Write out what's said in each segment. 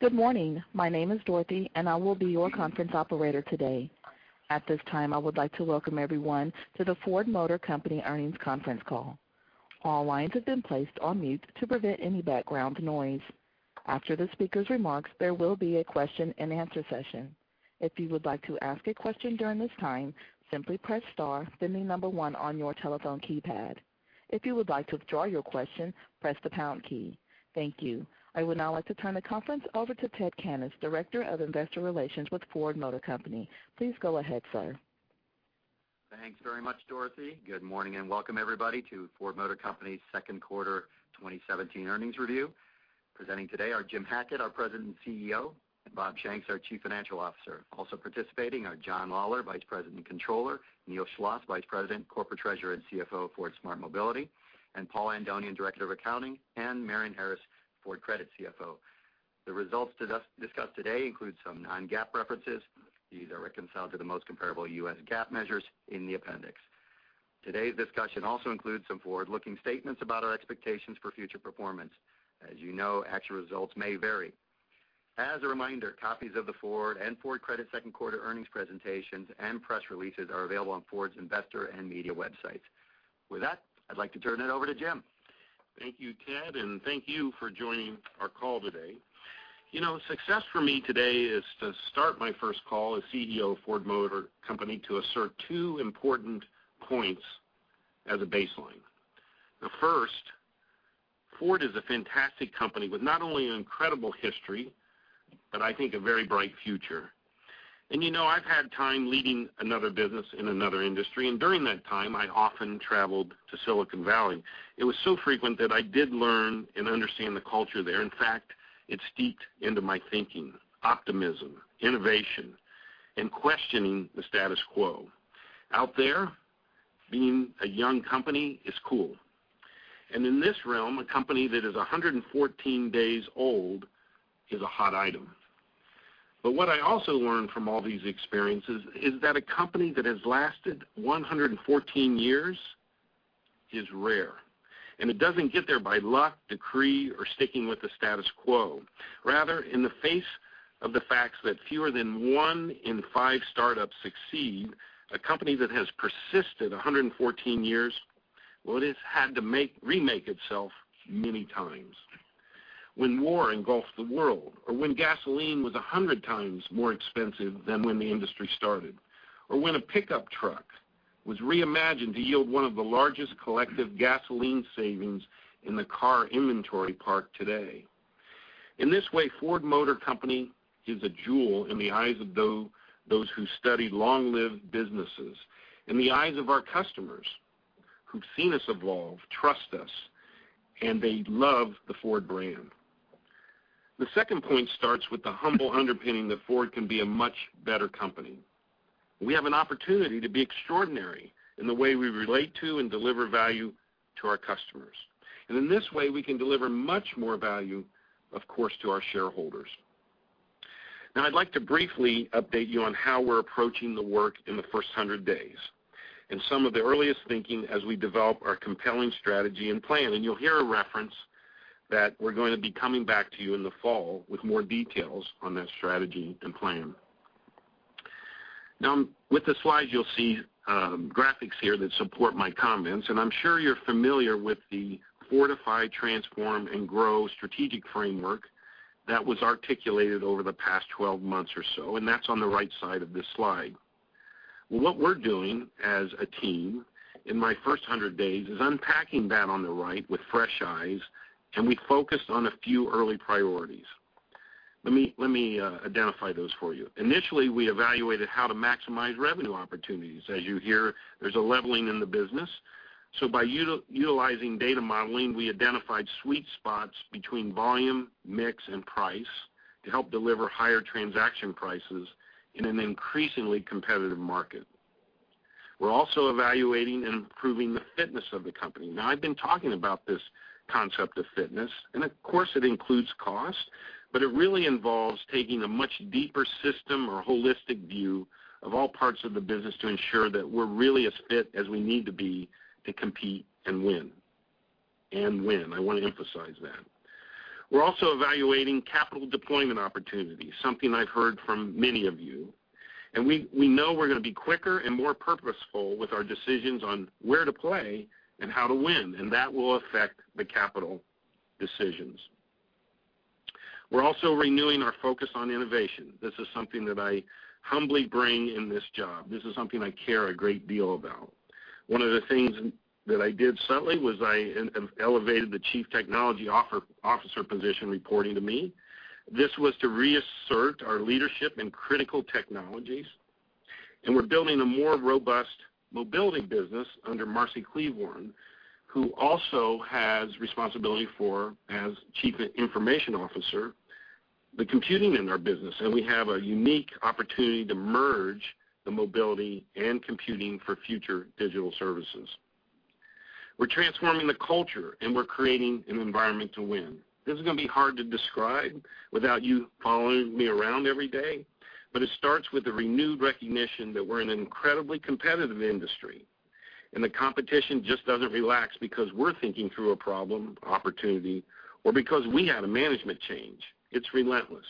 Good morning. My name is Dorothy, and I will be your conference operator today. At this time, I would like to welcome everyone to the Ford Motor Company earnings conference call. All lines have been placed on mute to prevent any background noise. After the speaker's remarks, there will be a question and answer session. If you would like to ask a question during this time, simply press star, then the number 1 on your telephone keypad. If you would like to withdraw your question, press the pound key. Thank you. I would now like to turn the conference over to Ted Cannis, Director of Investor Relations with Ford Motor Company. Please go ahead, sir. Thanks very much, Dorothy. Good morning and welcome everybody to Ford Motor Company's second quarter 2017 earnings review. Presenting today are Jim Hackett, our President and CEO, and Bob Shanks, our Chief Financial Officer. Also participating are John Lawler, Vice President and Controller, Neil Schloss, Vice President, Corporate Treasurer and CFO, Ford Smart Mobility, and Paul Andonian, Director of Accounting, and Marion Harris, Ford Credit CFO. The results discussed today include some non-GAAP references. These are reconciled to the most comparable U.S. GAAP measures in the appendix. Today's discussion also includes some forward-looking statements about our expectations for future performance. As you know, actual results may vary. As a reminder, copies of the Ford and Ford Credit second quarter earnings presentations and press releases are available on Ford's investor and media websites. With that, I'd like to turn it over to Jim. Thank you, Ted, and thank you for joining our call today. Success for me today is to start my first call as CEO of Ford Motor Company to assert 2 important points as a baseline. The first, Ford is a fantastic company with not only an incredible history, but I think a very bright future. I've had time leading another business in another industry, and during that time, I often traveled to Silicon Valley. It was so frequent that I did learn and understand the culture there. In fact, it steeped into my thinking, optimism, innovation, and questioning the status quo. Out there, being a young company is cool. In this realm, a company that is 114 days old is a hot item. What I also learned from all these experiences is that a company that has lasted 114 years is rare, and it doesn't get there by luck, decree, or sticking with the status quo. Rather, in the face of the facts that fewer than 1 in 5 startups succeed, a company that has persisted 114 years, well, it has had to remake itself many times. When war engulfed the world or when gasoline was 100 times more expensive than when the industry started, or when a pickup truck was reimagined to yield one of the largest collective gasoline savings in the car inventory park today. In this way, Ford Motor Company is a jewel in the eyes of those who study long-lived businesses. In the eyes of our customers who've seen us evolve, trust us, and they love the Ford brand. The second point starts with the humble underpinning that Ford can be a much better company. We have an opportunity to be extraordinary in the way we relate to and deliver value to our customers. In this way, we can deliver much more value, of course, to our shareholders. I'd like to briefly update you on how we're approaching the work in the first 100 days and some of the earliest thinking as we develop our compelling strategy and plan. You'll hear a reference that we're going to be coming back to you in the fall with more details on that strategy and plan. With the slides, you'll see graphics here that support my comments. I'm sure you're familiar with the Fortify, Transform, and Grow strategic framework that was articulated over the past 12 months or so, that's on the right side of this slide. What we're doing as a team in my first 100 days is unpacking that on the right with fresh eyes. We focused on a few early priorities. Let me identify those for you. Initially, we evaluated how to maximize revenue opportunities. As you hear, there's a leveling in the business. By utilizing data modeling, we identified sweet spots between volume, mix, and price to help deliver higher transaction prices in an increasingly competitive market. We're also evaluating and improving the fitness of the company. I've been talking about this concept of fitness. Of course it includes cost, it really involves taking a much deeper system or holistic view of all parts of the business to ensure that we're really as fit as we need to be to compete and win. Win, I want to emphasize that. We're also evaluating capital deployment opportunities, something I've heard from many of you. We know we're going to be quicker and more purposeful with our decisions on where to play and how to win, that will affect the capital decisions. We're also renewing our focus on innovation. This is something that I humbly bring in this job. This is something I care a great deal about. One of the things that I did subtly was I elevated the Chief Technology Officer position reporting to me. This was to reassert our leadership in critical technologies. We're building a more robust mobility business under Marcy Klevorn, who also has responsibility for, as Chief Information Officer, the computing in our business. We have a unique opportunity to merge the mobility and computing for future digital services. We're transforming the culture. We're creating an environment to win. This is going to be hard to describe without you following me around every day, it starts with a renewed recognition that we're in an incredibly competitive industry. The competition just doesn't relax because we're thinking through a problem, opportunity, or because we had a management change. It's relentless.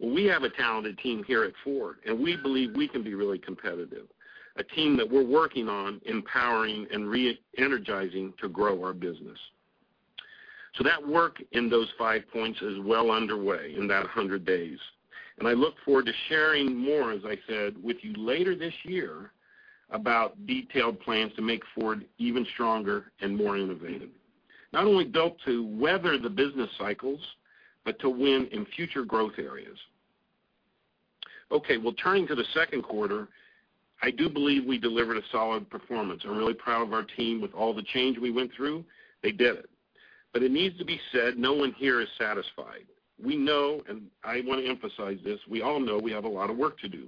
We have a talented team here at Ford. We believe we can be really competitive. A team that we're working on empowering and re-energizing to grow our business. That work in those five points is well underway in that 100 days. I look forward to sharing more, as I said, with you later this year about detailed plans to make Ford even stronger and more innovative, not only built to weather the business cycles, but to win in future growth areas. Turning to the second quarter, I do believe we delivered a solid performance. I'm really proud of our team with all the change we went through. They did it. It needs to be said, no one here is satisfied. We know, and I want to emphasize this, we all know we have a lot of work to do.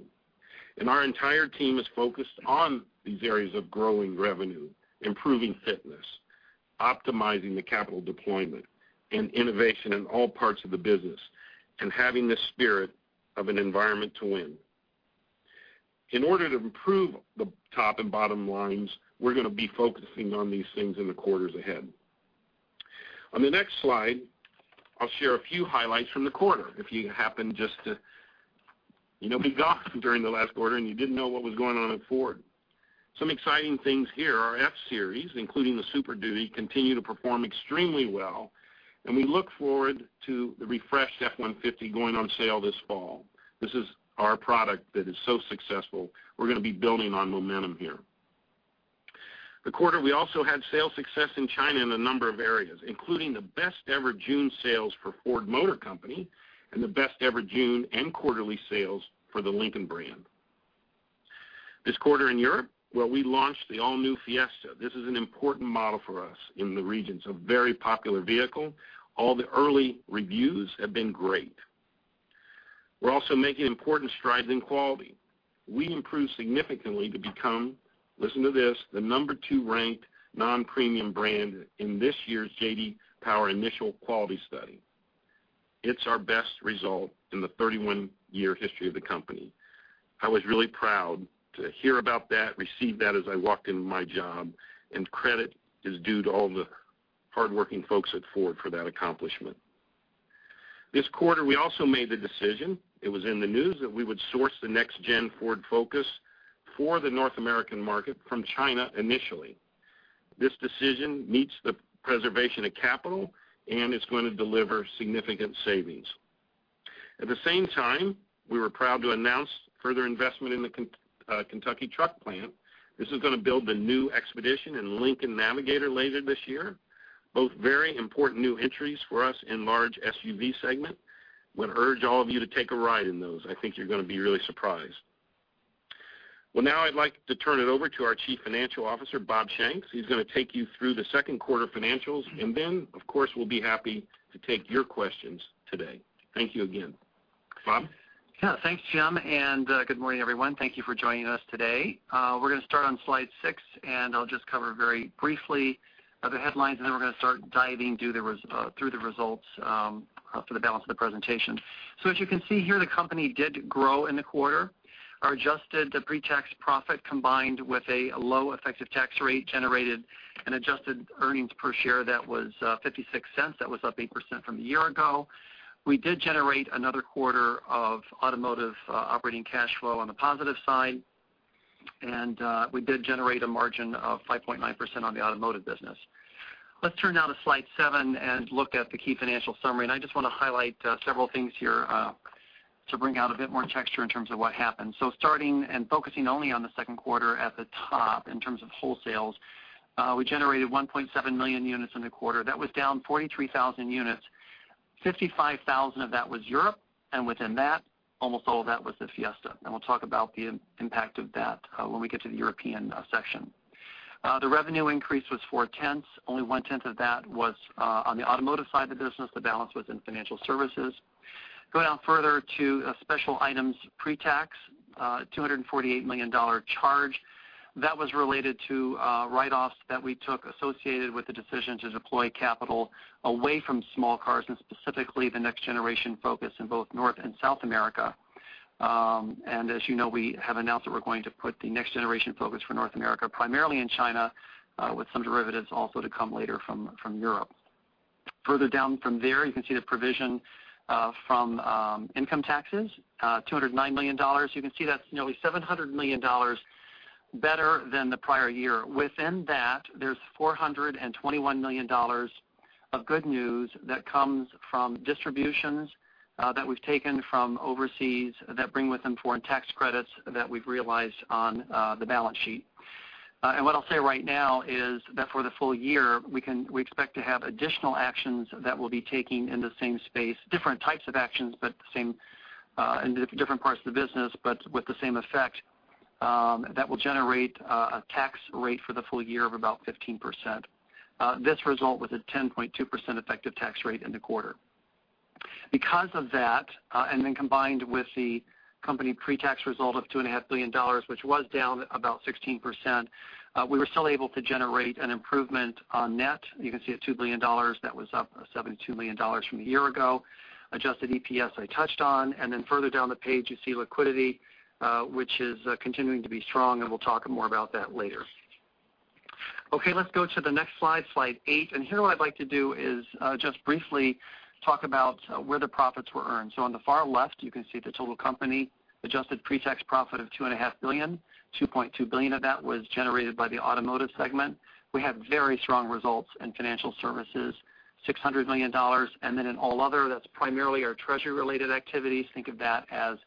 Our entire team is focused on these areas of growing revenue, improving fitness, optimizing the capital deployment, and innovation in all parts of the business, and having the spirit of an environment to win. In order to improve the top and bottom lines, we're going to be focusing on these things in the quarters ahead. On the next slide, I'll share a few highlights from the quarter. If you happen just to be gone during the last quarter and you didn't know what was going on at Ford. Some exciting things here. Our F-Series, including the Super Duty, continue to perform extremely well, and we look forward to the refreshed F-150 going on sale this fall. This is our product that is so successful. We're going to be building on momentum here. The quarter, we also had sales success in China in a number of areas, including the best ever June sales for Ford Motor Company and the best ever June and quarterly sales for the Lincoln brand. This quarter in Europe, we launched the all-new Fiesta. This is an important model for us in the regions, a very popular vehicle. All the early reviews have been great. We're also making important strides in quality. We improved significantly to become, listen to this, the number 2 ranked non-premium brand in this year's J.D. Power Initial Quality Study. It's our best result in the 31-year history of the company. I was really proud to hear about that, receive that as I walked into my job, and credit is due to all the hardworking folks at Ford for that accomplishment. This quarter, we also made the decision, it was in the news, that we would source the next gen Ford Focus for the North American market from China initially. This decision meets the preservation of capital and it's going to deliver significant savings. At the same time, we were proud to announce further investment in the Kentucky truck plant. This is going to build the new Expedition and Lincoln Navigator later this year, both very important new entries for us in large SUV segment. Would urge all of you to take a ride in those. I think you're going to be really surprised. Now I'd like to turn it over to our Chief Financial Officer, Bob Shanks. He's going to take you through the second quarter financials, and then, of course, we'll be happy to take your questions today. Thank you again. Bob? Thanks, Jim, and good morning, everyone. Thank you for joining us today. We're going to start on slide six. I'll just cover very briefly the headlines. Then we're going to start diving through the results for the balance of the presentation. As you can see here, the company did grow in the quarter. Our adjusted pre-tax profit, combined with a low effective tax rate, generated an adjusted earnings per share that was $0.56. That was up 8% from a year ago. We did generate another quarter of automotive operating cash flow on the positive side. We did generate a margin of 5.9% on the automotive business. Let's turn now to slide seven and look at the key financial summary. I just want to highlight several things here to bring out a bit more texture in terms of what happened. Starting and focusing only on the second quarter at the top in terms of wholesales, we generated 1.7 million units in the quarter. That was down 43,000 units, 55,000 of that was Europe, and within that, almost all of that was the Fiesta. We'll talk about the impact of that when we get to the European section. The revenue increase was four-tenths. Only one-tenth of that was on the automotive side of the business. The balance was in financial services. Go down further to special items pre-tax, $248 million charge. That was related to write-offs that we took associated with the decision to deploy capital away from small cars, and specifically the next generation Focus in both North and South America. As you know, we have announced that we're going to put the next generation Focus for North America primarily in China, with some derivatives also to come later from Europe. Further down from there, you can see the provision from income taxes, $209 million. You can see that's nearly $700 million better than the prior year. Within that, there's $421 million of good news that comes from distributions that we've taken from overseas that bring with them foreign tax credits that we've realized on the balance sheet. What I'll say right now is that for the full year, we expect to have additional actions that we'll be taking in the same space, different types of actions, in different parts of the business, but with the same effect, that will generate a tax rate for the full year of about 15%. This result was a 10.2% effective tax rate in the quarter. Because of that, combined with the company pre-tax result of $2.5 billion, which was down about 16%, we were still able to generate an improvement on net. You can see at $2 billion, that was up $72 million from a year ago. Adjusted EPS I touched on. Further down the page, you see liquidity, which is continuing to be strong, and we'll talk more about that later. Let's go to the next slide eight. Here what I'd like to do is just briefly talk about where the profits were earned. On the far left, you can see the total company adjusted pre-tax profit of $2.5 billion. $2.2 billion of that was generated by the automotive segment. We had very strong results in financial services, $600 million. In all other, that's primarily our treasury-related activities. Think of that as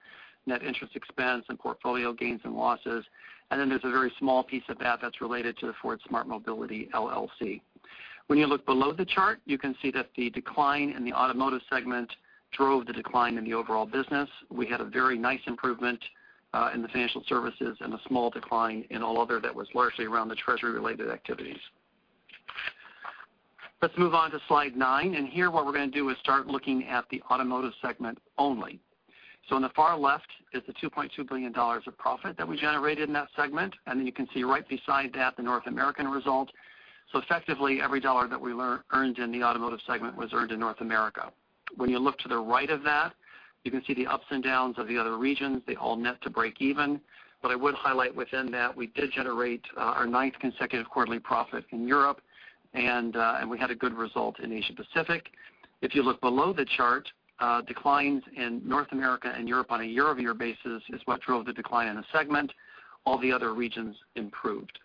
net interest expense and portfolio gains and losses. There's a very small piece of that that's related to the Ford Smart Mobility LLC. When you look below the chart, you can see that the decline in the automotive segment drove the decline in the overall business. We had a very nice improvement in the financial services and a small decline in all other that was largely around the treasury-related activities. Let's move on to slide nine. Here what we're going to do is start looking at the automotive segment only. On the far left is the $2.2 billion of profit that we generated in that segment. You can see right beside that, the North American result. Effectively, every dollar that we earned in the automotive segment was earned in North America. When you look to the right of that, you can see the ups and downs of the other regions. They all net to break even. I would highlight within that, we did generate our ninth consecutive quarterly profit in Europe, and we had a good result in Asia Pacific. If you look below the chart, declines in North America and Europe on a year-over-year basis is what drove the decline in the segment. All the other regions improved.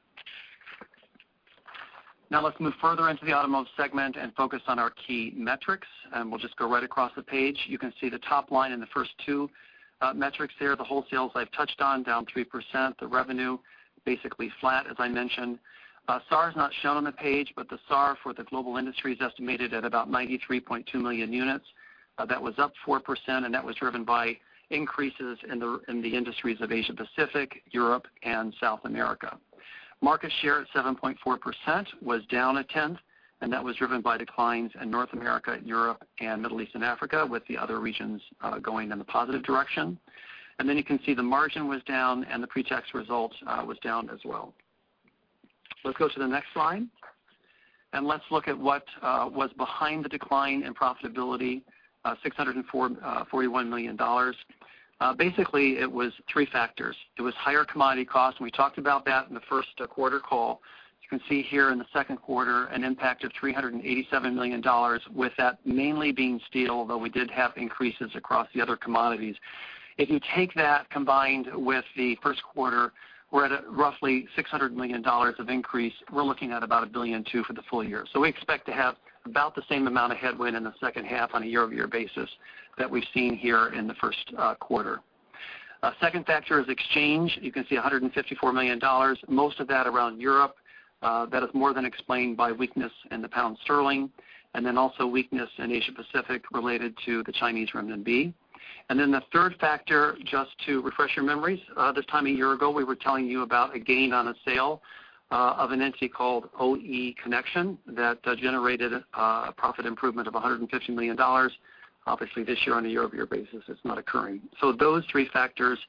Let's move further into the automotive segment and focus on our key metrics. We'll just go right across the page. You can see the top line in the first two metrics here. The wholesales I've touched on, down 3%. The revenue, basically flat, as I mentioned. SAAR is not shown on the page. The SAAR for the global industry is estimated at about 93.2 million units. That was up 4%, and that was driven by increases in the industries of Asia Pacific, Europe, and South America. Market share at 7.4% was down a tenth, and that was driven by declines in North America, Europe, and Middle East and Africa, with the other regions going in the positive direction. You can see the margin was down. The pre-tax result was down as well. Let's go to the next slide and let's look at what was behind the decline in profitability, $641 million. Basically, it was three factors. It was higher commodity costs. We talked about that in the first quarter call. As you can see here in the second quarter, an impact of $387 million with that mainly being steel, though we did have increases across the other commodities. If you take that combined with the first quarter, we're at a roughly $600 million of increase. We're looking at about $1.2 billion for the full year. We expect to have about the same amount of headwind in the second half on a year-over-year basis that we've seen here in the first quarter. Second factor is exchange. You can see $154 million, most of that around Europe. That is more than explained by weakness in the pound sterling and also weakness in Asia Pacific related to the Chinese renminbi. The third factor, just to refresh your memories, this time a year ago, we were telling you about a gain on a sale of an entity called OEConnection that generated a profit improvement of $150 million. Obviously this year on a year-over-year basis, it's not occurring. Those three factors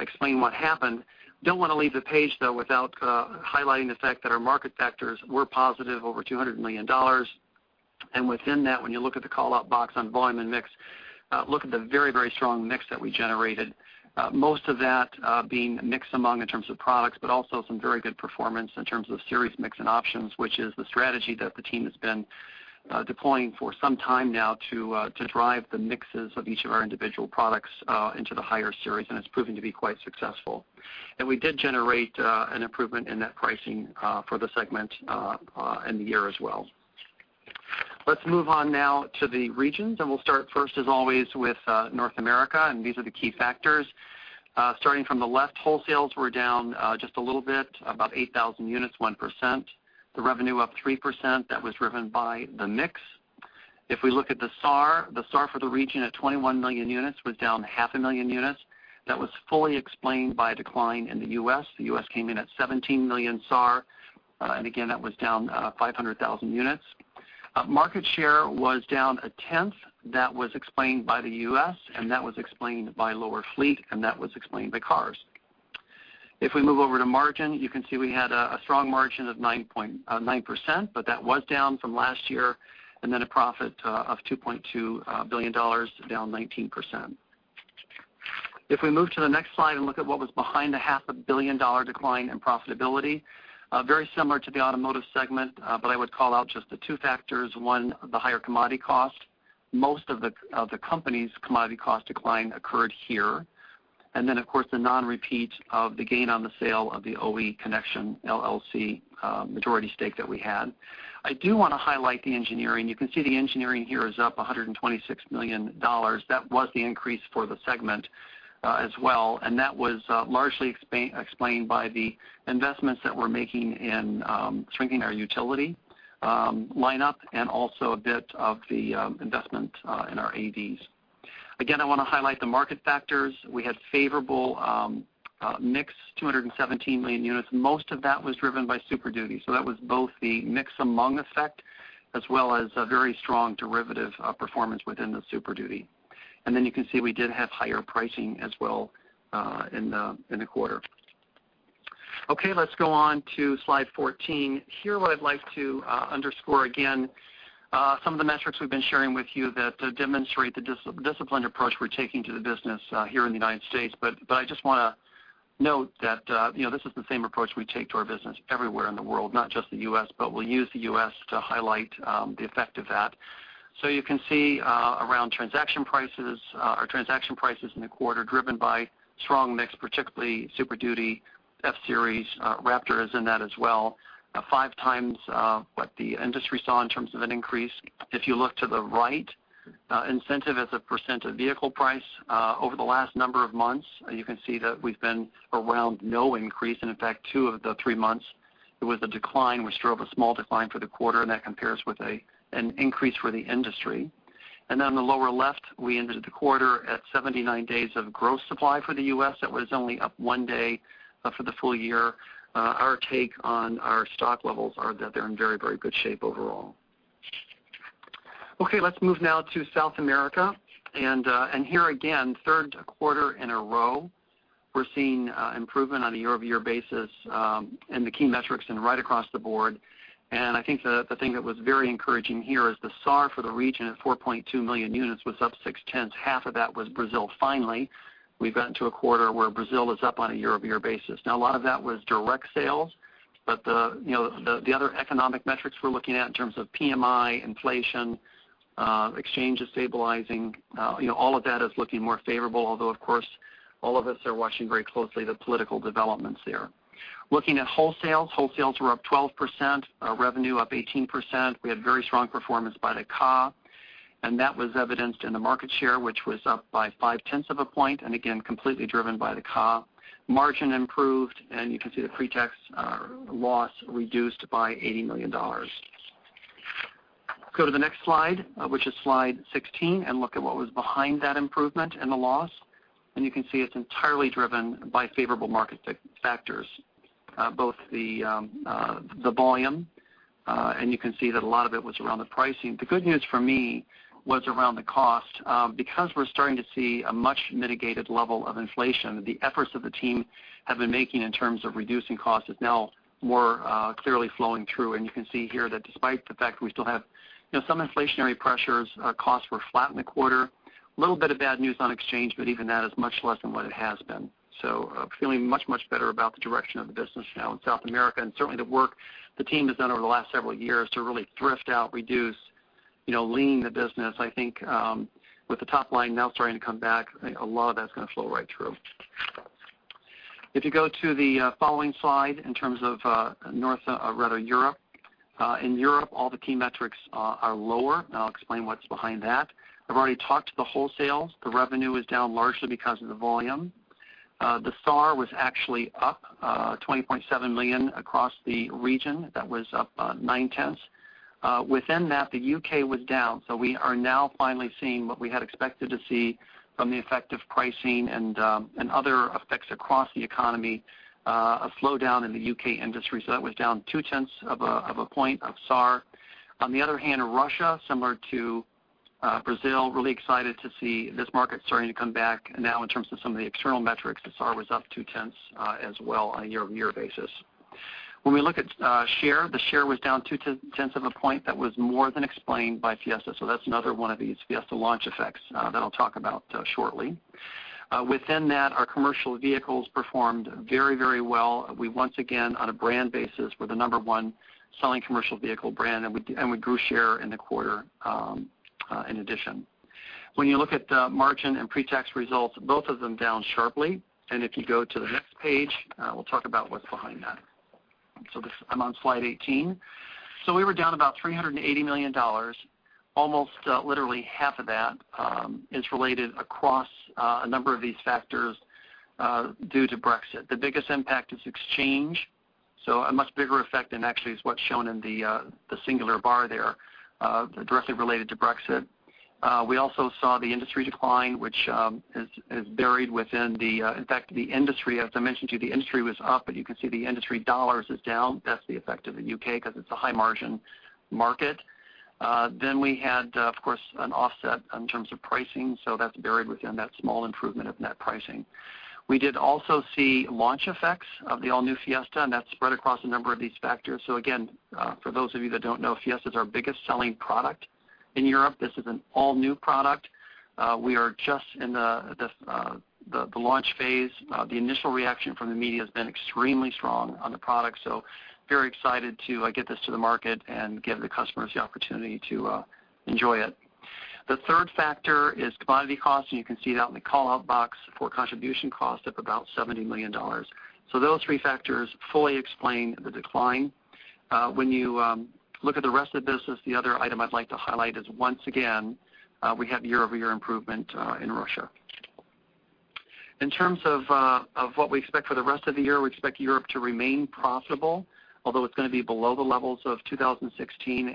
explain what happened. Don't want to leave the page, though, without highlighting the fact that our market factors were positive over $200 million. Within that, when you look at the call-out box on volume and mix, look at the very strong mix that we generated. Most of that being mix among in terms of products, but also some very good performance in terms of series mix and options, which is the strategy that the team has been deploying for some time now to drive the mixes of each of our individual products into the higher series, and it's proving to be quite successful. We did generate an improvement in net pricing for the segment and the year as well. Let's move on now to the regions, we'll start first, as always, with North America, these are the key factors. Starting from the left, wholesales were down just a little bit, about 8,000 units, 1%. The revenue up 3%, that was driven by the mix. If we look at the SAAR, the SAAR for the region at 21 million units was down half a million units. That was fully explained by a decline in the U.S. The U.S. came in at 17 million SAAR. Again, that was down 500,000 units. Market share was down a tenth. That was explained by the U.S., that was explained by lower fleet, that was explained by cars. If we move over to margin, you can see we had a strong margin of 9%, that was down from last year, then a profit of $2.2 billion, down 19%. If we move to the next slide and look at what was behind the half a billion-dollar decline in profitability, very similar to the automotive segment, I would call out just the two factors. One, the higher commodity cost. Most of the company's commodity cost decline occurred here. Of course, the non-repeat of the gain on the sale of the OEConnection LLC majority stake that we had. I do want to highlight the engineering. You can see the engineering here is up $126 million. That was the increase for the segment as well. That was largely explained by the investments that we're making in shrinking our utility lineup and also a bit of the investment in our AVs. Again, I want to highlight the market factors. We had favorable mix, 217 million units. Most of that was driven by Super Duty. That was both the mix among effect as well as a very strong derivative performance within the Super Duty. Then you can see we did have higher pricing as well in the quarter. Okay, let's go on to slide 14. Here, what I'd like to underscore again, some of the metrics we've been sharing with you that demonstrate the disciplined approach we're taking to the business here in the U.S. I just want to note that this is the same approach we take to our business everywhere in the world, not just the U.S., but we'll use the U.S. to highlight the effect of that. You can see around transaction prices, our transaction prices in the quarter driven by strong mix, particularly Super Duty F-Series. Raptor is in that as well. 5 times what the industry saw in terms of an increase. If you look to the right, incentive as a % of vehicle price over the last number of months, you can see that we've been around no increase. In fact, two of the three months, there was a decline. We still have a small decline for the quarter, That compares with an increase for the industry. On the lower left, we ended the quarter at 79 days of gross supply for the U.S. That was only up one day for the full year. Our take on our stock levels are that they're in very good shape overall. Okay. Let's move now to South America. Here again, third quarter in a row, we're seeing improvement on a year-over-year basis in the key metrics and right across the board. I think the thing that was very encouraging here is the SAAR for the region at 4.2 million units was up six tenths. Half of that was Brazil. Finally, we've gotten to a quarter where Brazil is up on a year-over-year basis. A lot of that was direct sales, The other economic metrics we're looking at in terms of PMI, inflation, exchanges stabilizing, all of that is looking more favorable. Although, of course, all of us are watching very closely the political developments there. Looking at wholesales. Wholesales were up 12%, revenue up 18%. We had very strong performance by the Ka, That was evidenced in the market share, which was up by five tenths of a point, Again, completely driven by the Ka. Margin improved, You can see the pre-tax loss reduced by $80 million. Go to the next slide, which is slide 16, Look at what was behind that improvement in the loss. You can see it's entirely driven by favorable market factors, both the volume, You can see that a lot of it was around the pricing. The good news for me was around the cost. We're starting to see a much mitigated level of inflation, the efforts that the team have been making in terms of reducing cost is now more clearly flowing through. You can see here that despite the fact that we still have some inflationary pressures, costs were flat in the quarter. A little bit of bad news on exchange, Even that is much less than what it has been. Feeling much better about the direction of the business now in South America, Certainly the work the team has done over the last several years to really thrift out, reduce, lean the business. I think with the top line now starting to come back, I think a lot of that's going to flow right through. If you go to the following slide in terms of Europe. In Europe, all the key metrics are lower. I'll explain what's behind that. I've already talked to the wholesales. The revenue is down largely because of the volume. The SAAR was actually up 20.7 million across the region. That was up nine tenths. Within that, the U.K. was down. We are now finally seeing what we had expected to see from the effect of pricing and other effects across the economy, a slowdown in the U.K. industry. That was down two tenths of a point of SAAR. On the other hand, Russia, similar to Brazil, really excited to see this market starting to come back now in terms of some of the external metrics. The SAAR was up two tenths as well on a year-over-year basis. We look at share, the share was down two tenths of a point. That was more than explained by Fiesta. That's another one of these Fiesta launch effects that I'll talk about shortly. Within that, our commercial vehicles performed very well. We once again, on a brand basis, were the number 1 selling commercial vehicle brand. We grew share in the quarter in addition. You look at the margin and pre-tax results, both of them down sharply. If you go to the next page, we'll talk about what's behind that. I'm on slide 18. We were down about $380 million. Almost literally half of that is related across a number of these factors due to Brexit. The biggest impact is exchange. A much bigger effect than actually is what's shown in the singular bar there directly related to Brexit. We also saw the industry decline, which is buried within the. In fact, as I mentioned to you, the industry was up. You can see the industry $ is down. That's the effect of the U.K. because it's a high margin market. We had, of course, an offset in terms of pricing. That's buried within that small improvement of net pricing. We did also see launch effects of the all-new Fiesta. That's spread across a number of these factors. Again, for those of you that don't know, Fiesta is our biggest selling product in Europe. This is an all-new product. We are just in the launch phase. The initial reaction from the media has been extremely strong on the product. Very excited to get this to the market and give the customers the opportunity to enjoy it. The third factor is commodity costs. You can see that in the call-out box for contribution costs of about $70 million. Those three factors fully explain the decline. We look at the rest of the business, the other item I'd like to highlight is once again, we have year-over-year improvement in Russia. In terms of what we expect for the rest of the year, we expect Europe to remain profitable, although it's going to be below the levels of 2016.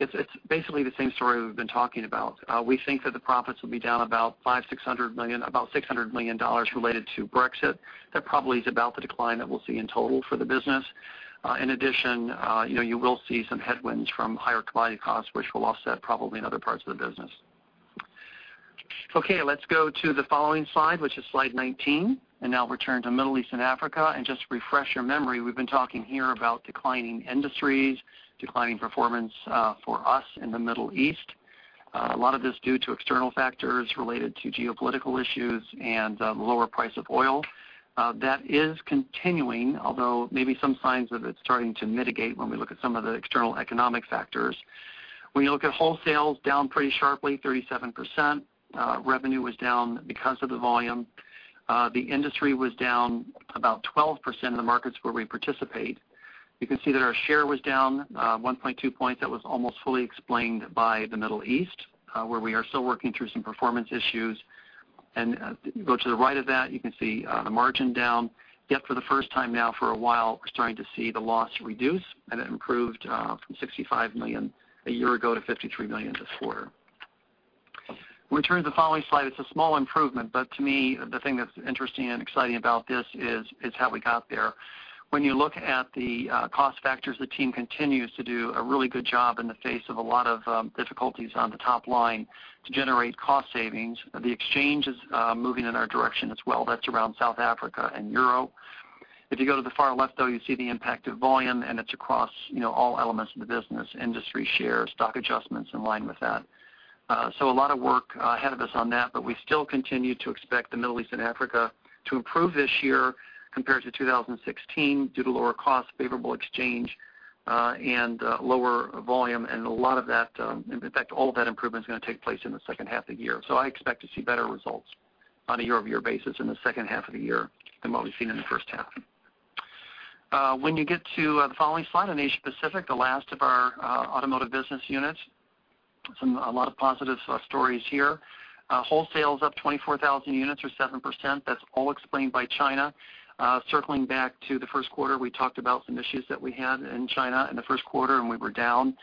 It's basically the same story we've been talking about. We think that the profits will be down about $600 million related to Brexit. That probably is about the decline that we'll see in total for the business. In addition, you will see some headwinds from higher commodity costs, which will offset probably in other parts of the business. Okay, let's go to the following slide, which is slide 19. Now we turn to Middle East and Africa. Just to refresh your memory, we've been talking here about declining industries, declining performance for us in the Middle East. A lot of this is due to external factors related to geopolitical issues and the lower price of oil. That is continuing, although maybe some signs of it starting to mitigate when we look at some of the external economic factors. When you look at wholesale, down pretty sharply, 37%. Revenue was down because of the volume. The industry was down about 12% in the markets where we participate. You can see that our share was down 1.2 points. That was almost fully explained by the Middle East, where we are still working through some performance issues. If you go to the right of that, you can see the margin down. For the first time now for a while, we're starting to see the loss reduce, and it improved from $65 million a year ago to $53 million this quarter. We turn to the following slide. It's a small improvement, but to me, the thing that's interesting and exciting about this is how we got there. When you look at the cost factors, the team continues to do a really good job in the face of a lot of difficulties on the top line to generate cost savings. The exchange is moving in our direction as well. That's around South Africa and EUR. If you go to the far left, though, you see the impact of volume. It's across all elements of the business, industry share, stock adjustments in line with that. A lot of work ahead of us on that, but we still continue to expect the Middle East and Africa to improve this year compared to 2016 due to lower cost, favorable exchange, and lower volume. A lot of that, in fact, all of that improvement is going to take place in the second half of the year. I expect to see better results on a year-over-year basis in the second half of the year than what we've seen in the first half. When you get to the following slide on Asia Pacific, the last of our automotive business units, a lot of positive stories here. Wholesale is up 24,000 units or 7%. That's all explained by China. Circling back to the first quarter, we talked about some issues that we had in China in the first quarter. We were down.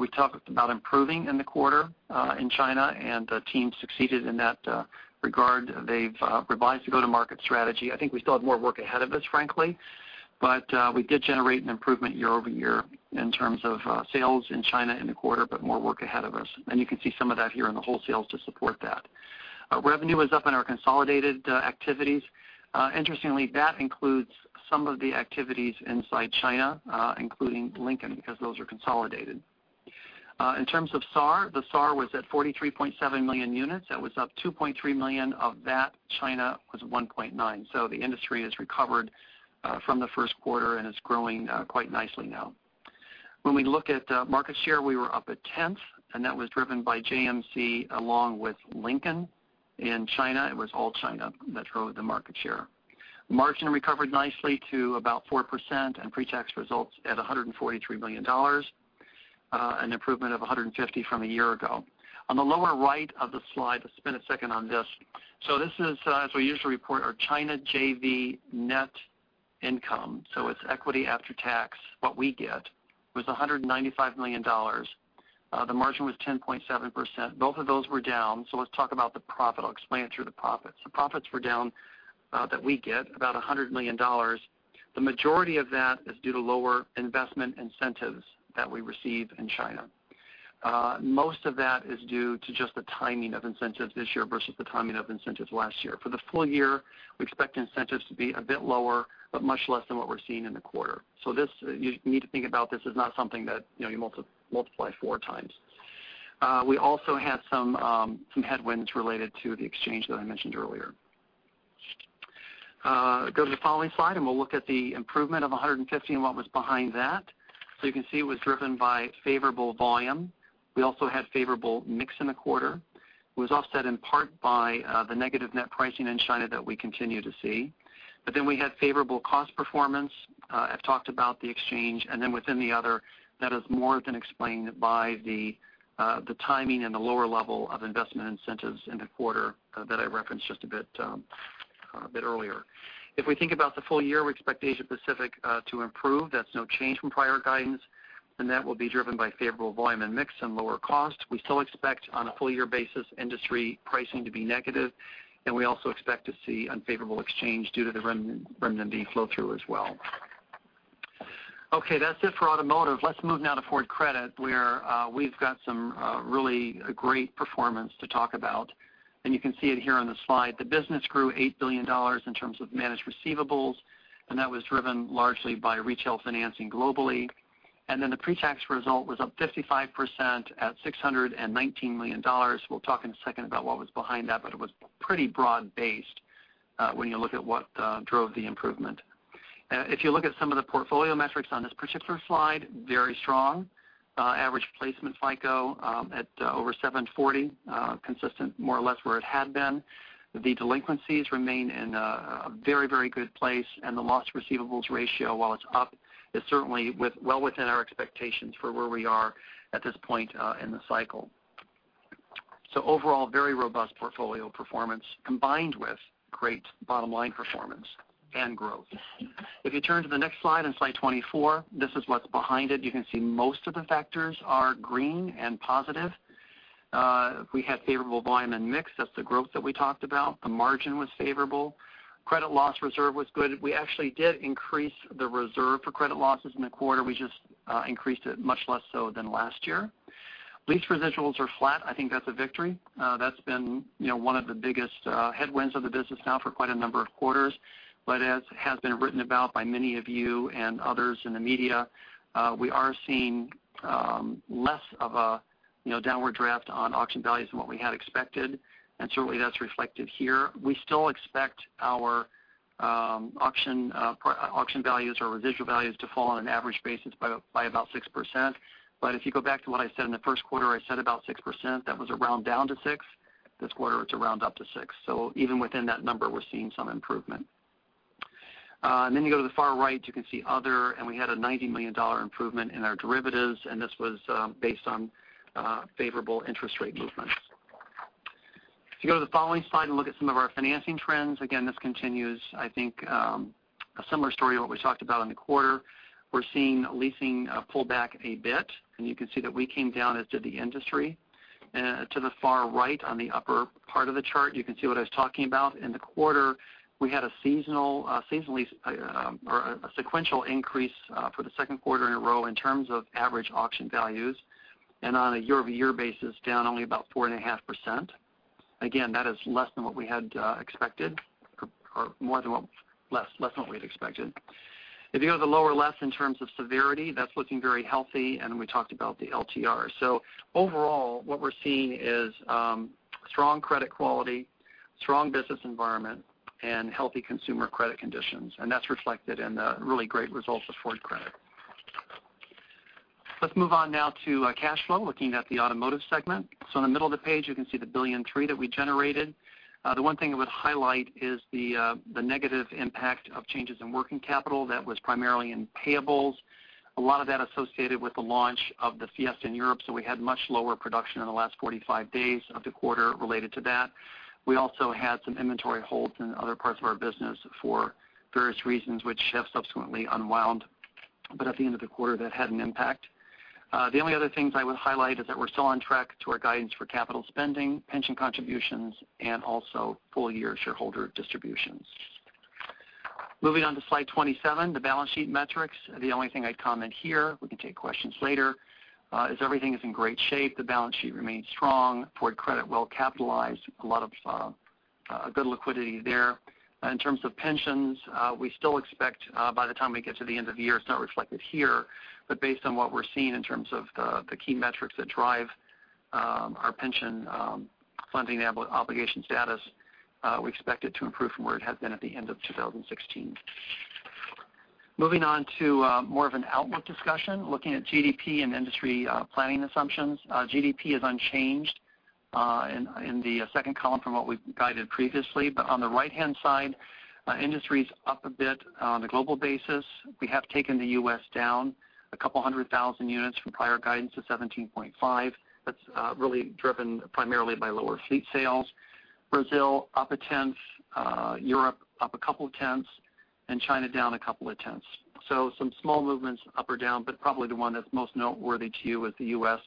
We talked about improving in the quarter in China. The team succeeded in that regard. They've revised the go-to-market strategy. I think we still have more work ahead of us, frankly, but we did generate an improvement year-over-year in terms of sales in China in the quarter. More work ahead of us. You can see some of that here in the wholesale to support that. Revenue was up in our consolidated activities. Interestingly, that includes some of the activities inside China, including Lincoln, because those are consolidated. In terms of SAAR, the SAAR was at 43.7 million units. That was up 2.3 million. Of that, China was 1.9. The industry has recovered from the first quarter and is growing quite nicely now. When we look at market share, we were up a tenth. That was driven by JMC along with Lincoln. In China, it was all China that drove the market share. Margin recovered nicely to about 4% and pre-tax results at $143 million, an improvement of $150 from a year ago. On the lower right of the slide, let's spend a second on this. This is, as we usually report, our China JV net income. It's equity after tax. What we get was $195 million. The margin was 10.7%. Both of those were down. Let's talk about the profit. I'll explain it through the profits. The profits were down, that we get, about $100 million. The majority of that is due to lower investment incentives that we receive in China. Most of that is due to just the timing of incentives this year versus the timing of incentives last year. For the full year, we expect incentives to be a bit lower, but much less than what we're seeing in the quarter. You need to think about this as not something that you multiply four times. We also had some headwinds related to the exchange that I mentioned earlier. Go to the following slide, we'll look at the improvement of $150 and what was behind that. You can see it was driven by favorable volume. We also had favorable mix in the quarter. It was offset in part by the negative net pricing in China that we continue to see. We had favorable cost performance. I've talked about the exchange. Within the other, that is more than explained by the timing and the lower level of investment incentives in the quarter that I referenced just a bit earlier. If we think about the full year, we expect Asia Pacific to improve. That's no change from prior guidance, that will be driven by favorable volume and mix and lower cost. We still expect on a full-year basis industry pricing to be negative, we also expect to see unfavorable exchange due to the renminbi flow-through as well. That's it for automotive. Let's move now to Ford Credit, where we've got some really great performance to talk about. You can see it here on the slide. The business grew $8 billion in terms of managed receivables, that was driven largely by retail financing globally. The pre-tax result was up 55% at $619 million. We'll talk in a second about what was behind that, it was pretty broad-based when you look at what drove the improvement. If you look at some of the portfolio metrics on this particular slide, very strong. Average placement FICO at over 740, consistent more or less where it had been. The delinquencies remain in a very good place, the loss receivables ratio, while it's up, is certainly well within our expectations for where we are at this point in the cycle. Overall, very robust portfolio performance combined with great bottom-line performance and growth. If you turn to the next slide, on slide 24, this is what's behind it. You can see most of the factors are green and positive. We had favorable volume and mix. That's the growth that we talked about. The margin was favorable. Credit loss reserve was good. We actually did increase the reserve for credit losses in the quarter. We just increased it much less so than last year. Lease residuals are flat. I think that's a victory. That's been one of the biggest headwinds of the business now for quite a number of quarters. As has been written about by many of you and others in the media, we are seeing less of a downward draft on auction values than what we had expected. Certainly, that's reflected here. We still expect our auction values or residual values to fall on an average basis by about 6%. If you go back to what I said in the first quarter, I said about 6%. That was a round down to six. This quarter, it's a round up to six. Even within that number, we're seeing some improvement. You go to the far right, you can see other, we had a $90 million improvement in our derivatives, and this was based on favorable interest rate movements. If you go to the following slide and look at some of our financing trends, again, this continues, I think, a similar story to what we talked about in the quarter. We're seeing leasing pull back a bit, and you can see that we came down, as did the industry. To the far right on the upper part of the chart, you can see what I was talking about. In the quarter, we had a sequential increase for the second quarter in a row in terms of average auction values. On a year-over-year basis, down only about 4.5%. Again, that is less than what we had expected or less than what we'd expected. If you go to the lower left in terms of severity, that's looking very healthy. We talked about the LTR. Overall, what we're seeing is strong credit quality, strong business environment, and healthy consumer credit conditions. That's reflected in the really great results of Ford Credit. Let's move on now to cash flow, looking at the automotive segment. In the middle of the page, you can see the $1.3 billion that we generated. The one thing I would highlight is the negative impact of changes in working capital that was primarily in payables. A lot of that associated with the launch of the Fiesta in Europe, so we had much lower production in the last 45 days of the quarter related to that. We also had some inventory holds in other parts of our business for various reasons, which have subsequently unwound. At the end of the quarter, that had an impact. The only other things I would highlight is that we're still on track to our guidance for capital spending, pension contributions, and also full-year shareholder distributions. Moving on to slide 27, the balance sheet metrics. The only thing I'd comment here, we can take questions later, is everything is in great shape. The balance sheet remains strong. Ford Credit well-capitalized. A lot of good liquidity there. In terms of pensions, we still expect by the time we get to the end of the year, it's not reflected here, but based on what we're seeing in terms of the key metrics that drive our pension funding obligation status, we expect it to improve from where it had been at the end of 2016. Moving on to more of an outlook discussion, looking at GDP and industry planning assumptions. GDP is unchanged in the second column from what we've guided previously. On the right-hand side, industry's up a bit on a global basis. We have taken the U.S. down 200,000 units from prior guidance of 17.5. That's really driven primarily by lower fleet sales. Brazil up 0.1, Europe up 0.2, and China down 0.2. Some small movements up or down, but probably the one that's most noteworthy to you is the U.S.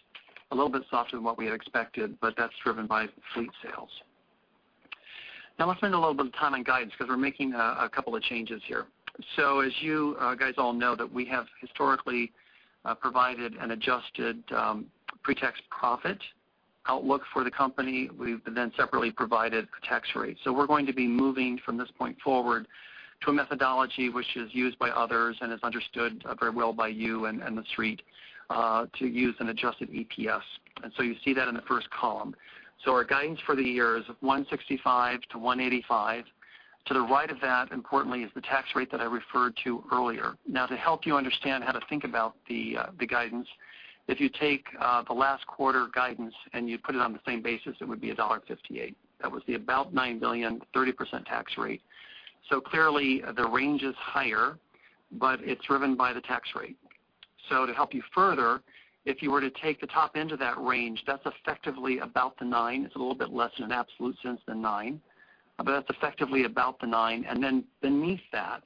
A little bit softer than what we had expected, but that's driven by fleet sales. Let's spend a little bit of time on guidance because we're making 2 changes here. As you guys all know that we have historically provided an adjusted pre-tax profit outlook for the company. We've separately provided a tax rate. We're going to be moving from this point forward to a methodology which is used by others and is understood very well by you and the street to use an adjusted EPS. You see that in the first column. Our guidance for the year is $1.65-$1.85. To the right of that, importantly, is the tax rate that I referred to earlier. To help you understand how to think about the guidance, if you take the last quarter guidance and you put it on the same basis, it would be $1.58. That was the about $9 billion, 30% tax rate. Clearly, the range is higher, but it's driven by the tax rate. To help you further, if you were to take the top end of that range, that's effectively about the nine. It's a little bit less in an absolute sense than nine, but that's effectively about the nine. Beneath that,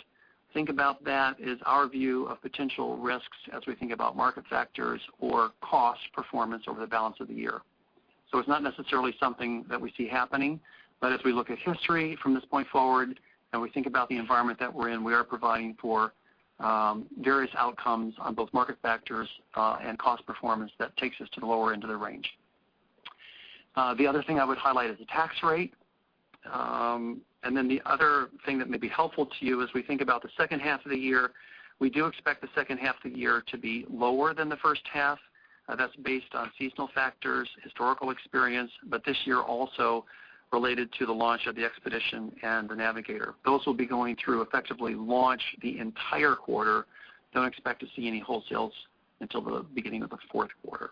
think about that as our view of potential risks as we think about market factors or cost performance over the balance of the year. It's not necessarily something that we see happening. As we look at history from this point forward and we think about the environment that we're in, we are providing for various outcomes on both market factors and cost performance that takes us to the lower end of the range. The other thing I would highlight is the tax rate. The other thing that may be helpful to you as we think about the second half of the year, we do expect the second half of the year to be lower than the first half. That's based on seasonal factors, historical experience, but this year also related to the launch of the Expedition and the Navigator. Those will be going through effectively launch the entire quarter. Don't expect to see any wholesales until the beginning of the fourth quarter.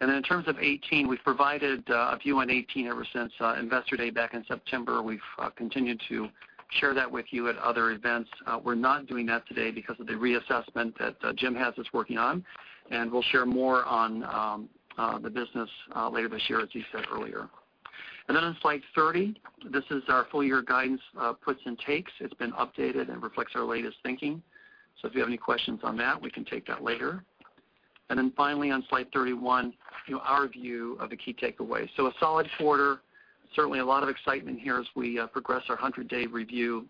In terms of 2018, we've provided a view on 2018 ever since Investor Day back in September. We've continued to share that with you at other events. We're not doing that today because of the reassessment that Jim has us working on. We'll share more on the business later this year, as he said earlier. On slide 30, this is our full-year guidance puts and takes. It's been updated and reflects our latest thinking. If you have any questions on that, we can take that later. Finally on slide 31, our view of the key takeaways. A solid quarter. Certainly a lot of excitement here as we progress our 100-day review.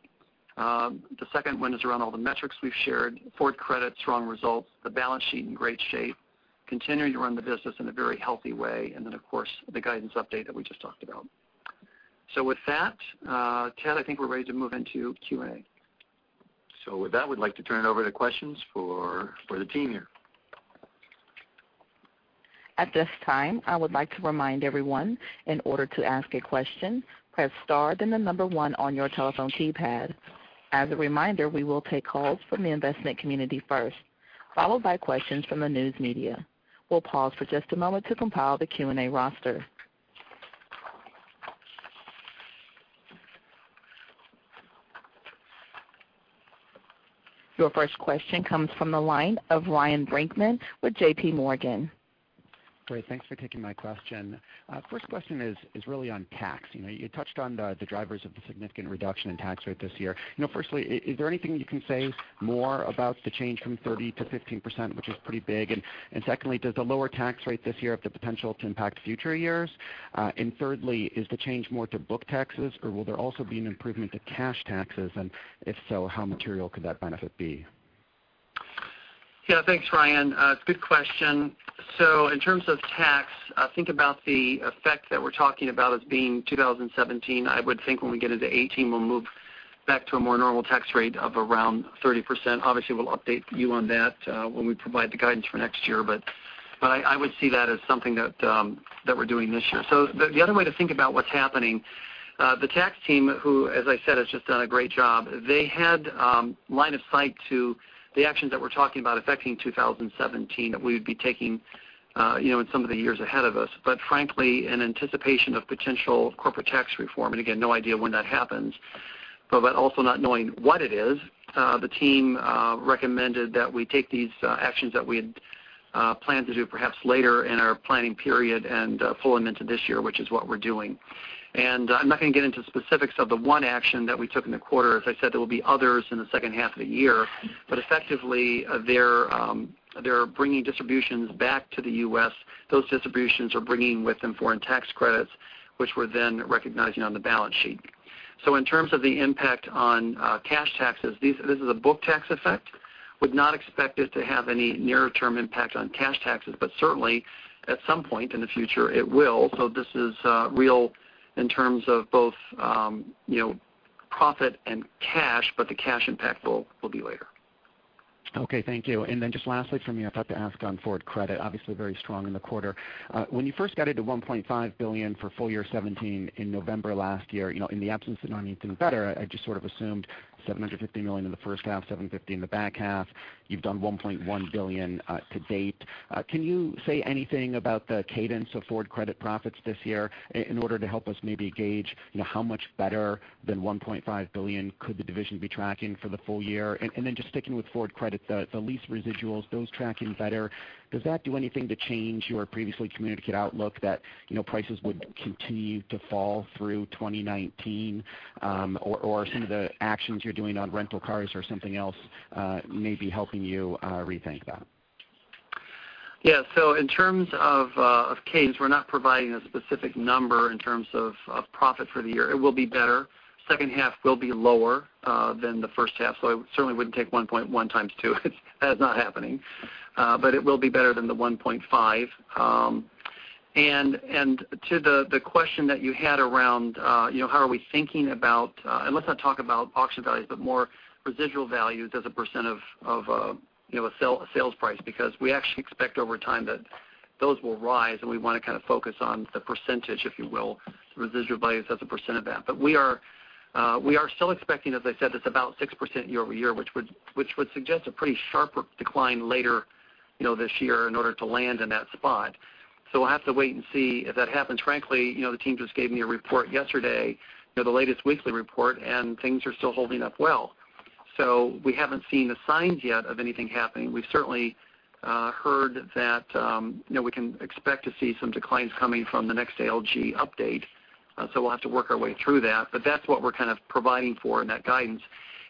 The second one is around all the metrics we've shared. Ford Credit, strong results. The balance sheet in great shape. Continuing to run the business in a very healthy way. Of course, the guidance update that we just talked about. With that, Ted, I think we're ready to move into Q&A. With that, we'd like to turn it over to questions for the team here. At this time, I would like to remind everyone, in order to ask a question, press star, then the number 1 on your telephone keypad. As a reminder, we will take calls from the investment community first, followed by questions from the news media. We'll pause for just a moment to compile the Q&A roster. Your first question comes from the line of Ryan Brinkman with J.P. Morgan. Great. Thanks for taking my question. First question is really on tax. You touched on the drivers of the significant reduction in tax rate this year. Is there anything you can say more about the change from 30% to 15%, which is pretty big? Secondly, does the lower tax rate this year have the potential to impact future years? Thirdly, is the change more to book taxes or will there also be an improvement to cash taxes? If so, how material could that benefit be? Thanks, Ryan. Good question. In terms of tax, think about the effect that we're talking about as being 2017. I would think when we get into 2018, we'll move back to a more normal tax rate of around 30%. Obviously, we'll update you on that when we provide the guidance for next year, but I would see that as something that we're doing this year. The other way to think about what's happening, the tax team, who as I said, has just done a great job, they had line of sight to the actions that we're talking about affecting 2017 that we would be taking in some of the years ahead of us. Frankly, in anticipation of potential corporate tax reform, again, no idea when that happens, also not knowing what it is, the team recommended that we take these actions that we had planned to do perhaps later in our planning period and pull them into this year, which is what we're doing. I'm not going to get into specifics of the one action that we took in the quarter. As I said, there will be others in the second half of the year. Effectively, they're bringing distributions back to the U.S. Those distributions are bringing with them foreign tax credits, which we're then recognizing on the balance sheet. In terms of the impact on cash taxes, this is a book tax effect. Would not expect it to have any near-term impact on cash taxes, but certainly at some point in the future it will. This is real in terms of both profit and cash, the cash impact will be later. Okay, thank you. Just lastly from me, I thought to ask on Ford Credit. Obviously very strong in the quarter. When you first guided to $1.5 billion for full year 2017 in November last year, in the absence of knowing anything better, I just sort of assumed $750 million in the first half, $750 million in the back half. You've done $1.1 billion to date. Can you say anything about the cadence of Ford Credit profits this year in order to help us maybe gauge how much better than $1.5 billion could the division be tracking for the full year? Just sticking with Ford Credit, the lease residuals, those tracking better, does that do anything to change your previously communicated outlook that prices would continue to fall through 2019? Some of the actions you're doing on rental cars or something else may be helping you rethink that? Yeah. In terms of cadence, we're not providing a specific number in terms of profit for the year. It will be better. Second half will be lower than the first half, I certainly wouldn't take 1.1 times two. That is not happening. It will be better than the 1.5. To the question that you had around how are we thinking about, and let's not talk about auction values, but more residual values as a % of a sales price. We actually expect over time that those will rise, and we want to kind of focus on the percentage, if you will, residual values as a % of that. We are still expecting, as I said, it's about 6% year-over-year, which would suggest a pretty sharp decline later this year in order to land in that spot. We'll have to wait and see if that happens. Frankly, the team just gave me a report yesterday, the latest weekly report, and things are still holding up well. We haven't seen the signs yet of anything happening. We've certainly heard that we can expect to see some declines coming from the next ALG update. We'll have to work our way through that. That's what we're kind of providing for in that guidance.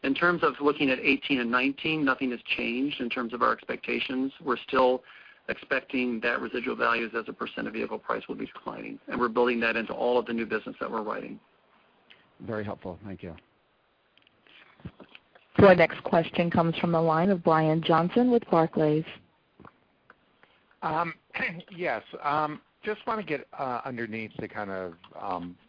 In terms of looking at 2018 and 2019, nothing has changed in terms of our expectations. We're still expecting that residual values as a % of vehicle price will be declining, and we're building that into all of the new business that we're writing. Very helpful. Thank you. Our next question comes from the line of Brian Johnson with Barclays. Yes. Just want to get underneath the kind of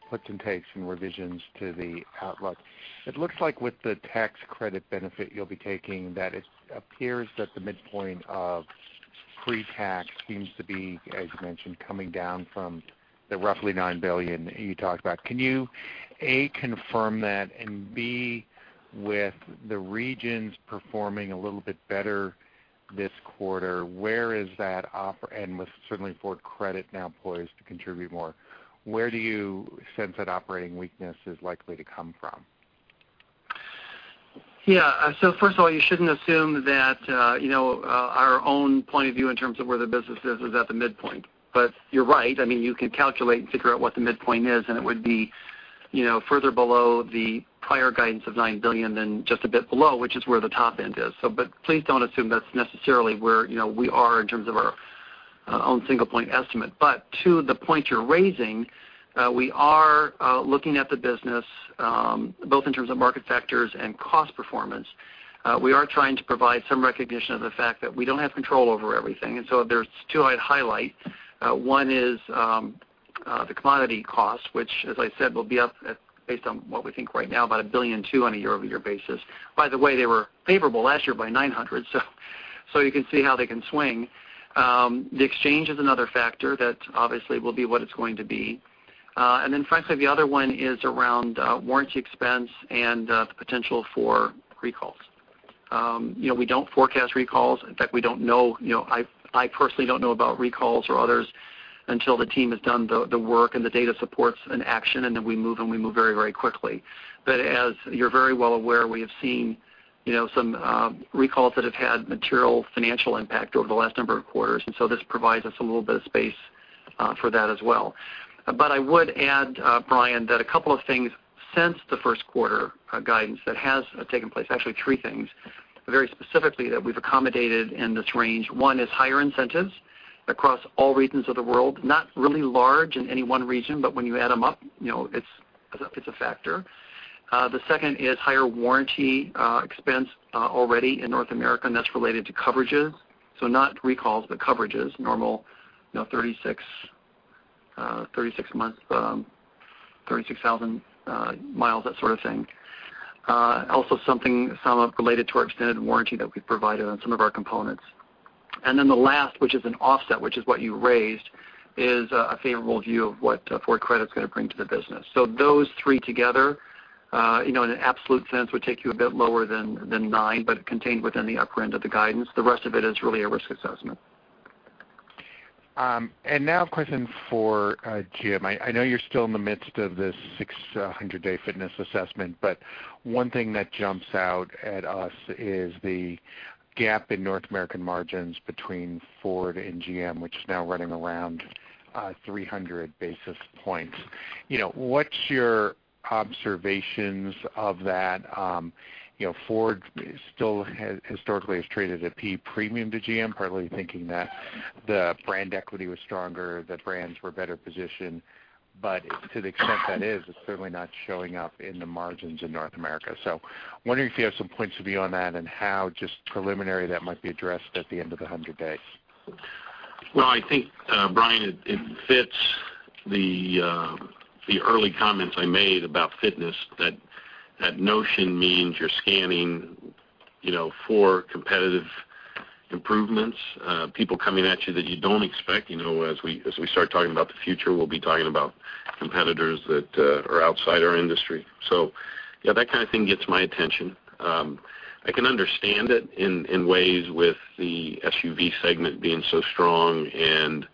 puts and takes and revisions to the outlook. It looks like with the tax credit benefit you'll be taking, that it appears that the midpoint of pre-tax seems to be, as you mentioned, coming down from the roughly $9 billion you talked about. Can you, A, confirm that, and B, with the regions performing a little bit better this quarter, and with certainly Ford Credit now poised to contribute more, where do you sense that operating weakness is likely to come from? Yes. First of all, you shouldn't assume that our own point of view in terms of where the business is at the midpoint. You're right. You can calculate and figure out what the midpoint is, and it would be further below the prior guidance of $9 billion than just a bit below, which is where the top end is. Please don't assume that's necessarily where we are in terms of our On single point estimate. To the point you're raising, we are looking at the business, both in terms of market factors and cost performance. We are trying to provide some recognition of the fact that we don't have control over everything. There's two I'd highlight. One is the commodity cost, which as I said, will be up based on what we think right now, about $1.2 billion on a year-over-year basis. By the way, they were favorable last year by $900, You can see how they can swing. The exchange is another factor that obviously will be what it's going to be. Frankly, the other one is around warranty expense and the potential for recalls. We don't forecast recalls. In fact, I personally don't know about recalls or others until the team has done the work and the data supports an action Then we move, and we move very quickly. As you're very well aware, we have seen some recalls that have had material financial impact over the last number of quarters, This provides us a little bit of space for that as well. I would add, Brian, that a couple of things since the first quarter guidance that has taken place, actually three things, very specifically that we've accommodated in this range. One is higher incentives across all regions of the world. Not really large in any one region, but when you add them up, it's a factor. The second is higher warranty expense already in North America, That's related to coverages. Not recalls, but coverages. Normal 36,000 miles, that sort of thing. Also some related to our extended warranty that we've provided on some of our components. Then the last, which is an offset, which is what you raised, is a favorable view of what Ford Credit is going to bring to the business. Those three together, in an absolute sense, would take you a bit lower than nine, but contained within the upper end of the guidance. The rest of it is really a risk assessment. Now a question for Jim. I know you're still in the midst of this 600-day fitness assessment, One thing that jumps out at us is the gap in North American margins between Ford and GM, which is now running around 300 basis points. What's your observations of that? Ford still historically has traded at peak premium to GM, partly thinking that the brand equity was stronger, the brands were better positioned. To the extent that is, it's certainly not showing up in the margins in North America. Wondering if you have some points of view on that and how just preliminary that might be addressed at the end of the 100 days. Well, I think, Brian, it fits the early comments I made about fitness. That notion means you're scanning for competitive improvements, people coming at you that you don't expect. As we start talking about the future, we'll be talking about competitors that are outside our industry. Yeah, that kind of thing gets my attention. I can understand it in ways with the SUV segment being so strong and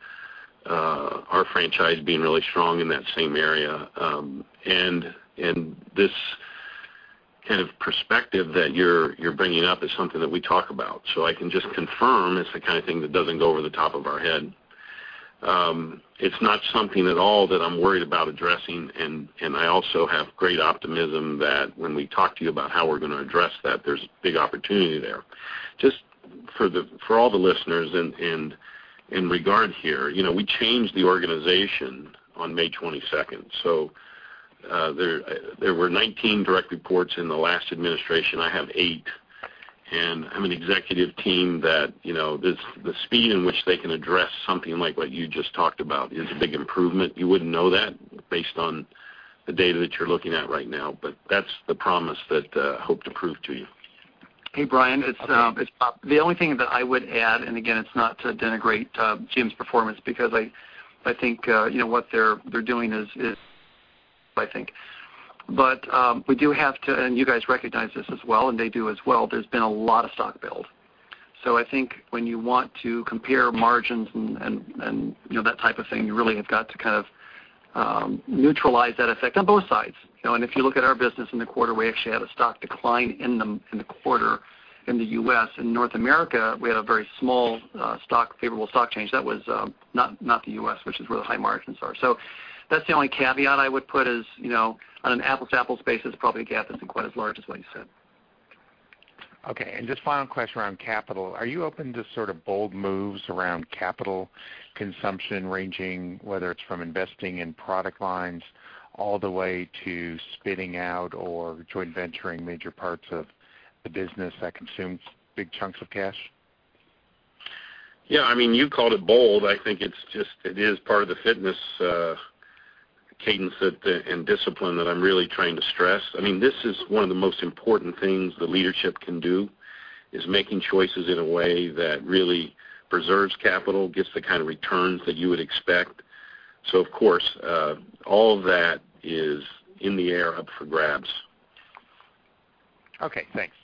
our franchise being really strong in that same area. This kind of perspective that you're bringing up is something that we talk about. I can just confirm it's the kind of thing that doesn't go over the top of our head. It's not something at all that I'm worried about addressing, I also have great optimism that when we talk to you about how we're going to address that, there's big opportunity there. Just for all the listeners in regard here, we changed the organization on May 22nd. There were 19 direct reports in the last administration. I have eight, I have an executive team that the speed in which they can address something like what you just talked about is a big improvement. You wouldn't know that based on the data that you're looking at right now, That's the promise that I hope to prove to you. Hey, Brian. The only thing that I would add, again, it's not to denigrate GM's performance, because I think what they're doing is. We do have to, and you guys recognize this as well, and they do as well, there's been a lot of stock build. I think when you want to compare margins and that type of thing, you really have got to neutralize that effect on both sides. And if you look at our business in the quarter, we actually had a stock decline in the quarter in the U.S. In North America, we had a very small favorable stock change. That was not the U.S., which is where the high margins are. That's the only caveat I would put is, on an apples-to-apples basis, the profit gap isn't quite as large as what you said. Okay, just final question around capital. Are you open to sort of bold moves around capital consumption ranging, whether it's from investing in product lines all the way to spinning out or joint venturing major parts of the business that consumes big chunks of cash? Yeah, you called it bold. I think it is part of the fitness cadence and discipline that I'm really trying to stress. This is one of the most important things that leadership can do is making choices in a way that really preserves capital, gets the kind of returns that you would expect. Of course, all of that is in the air up for grabs. Okay, thanks.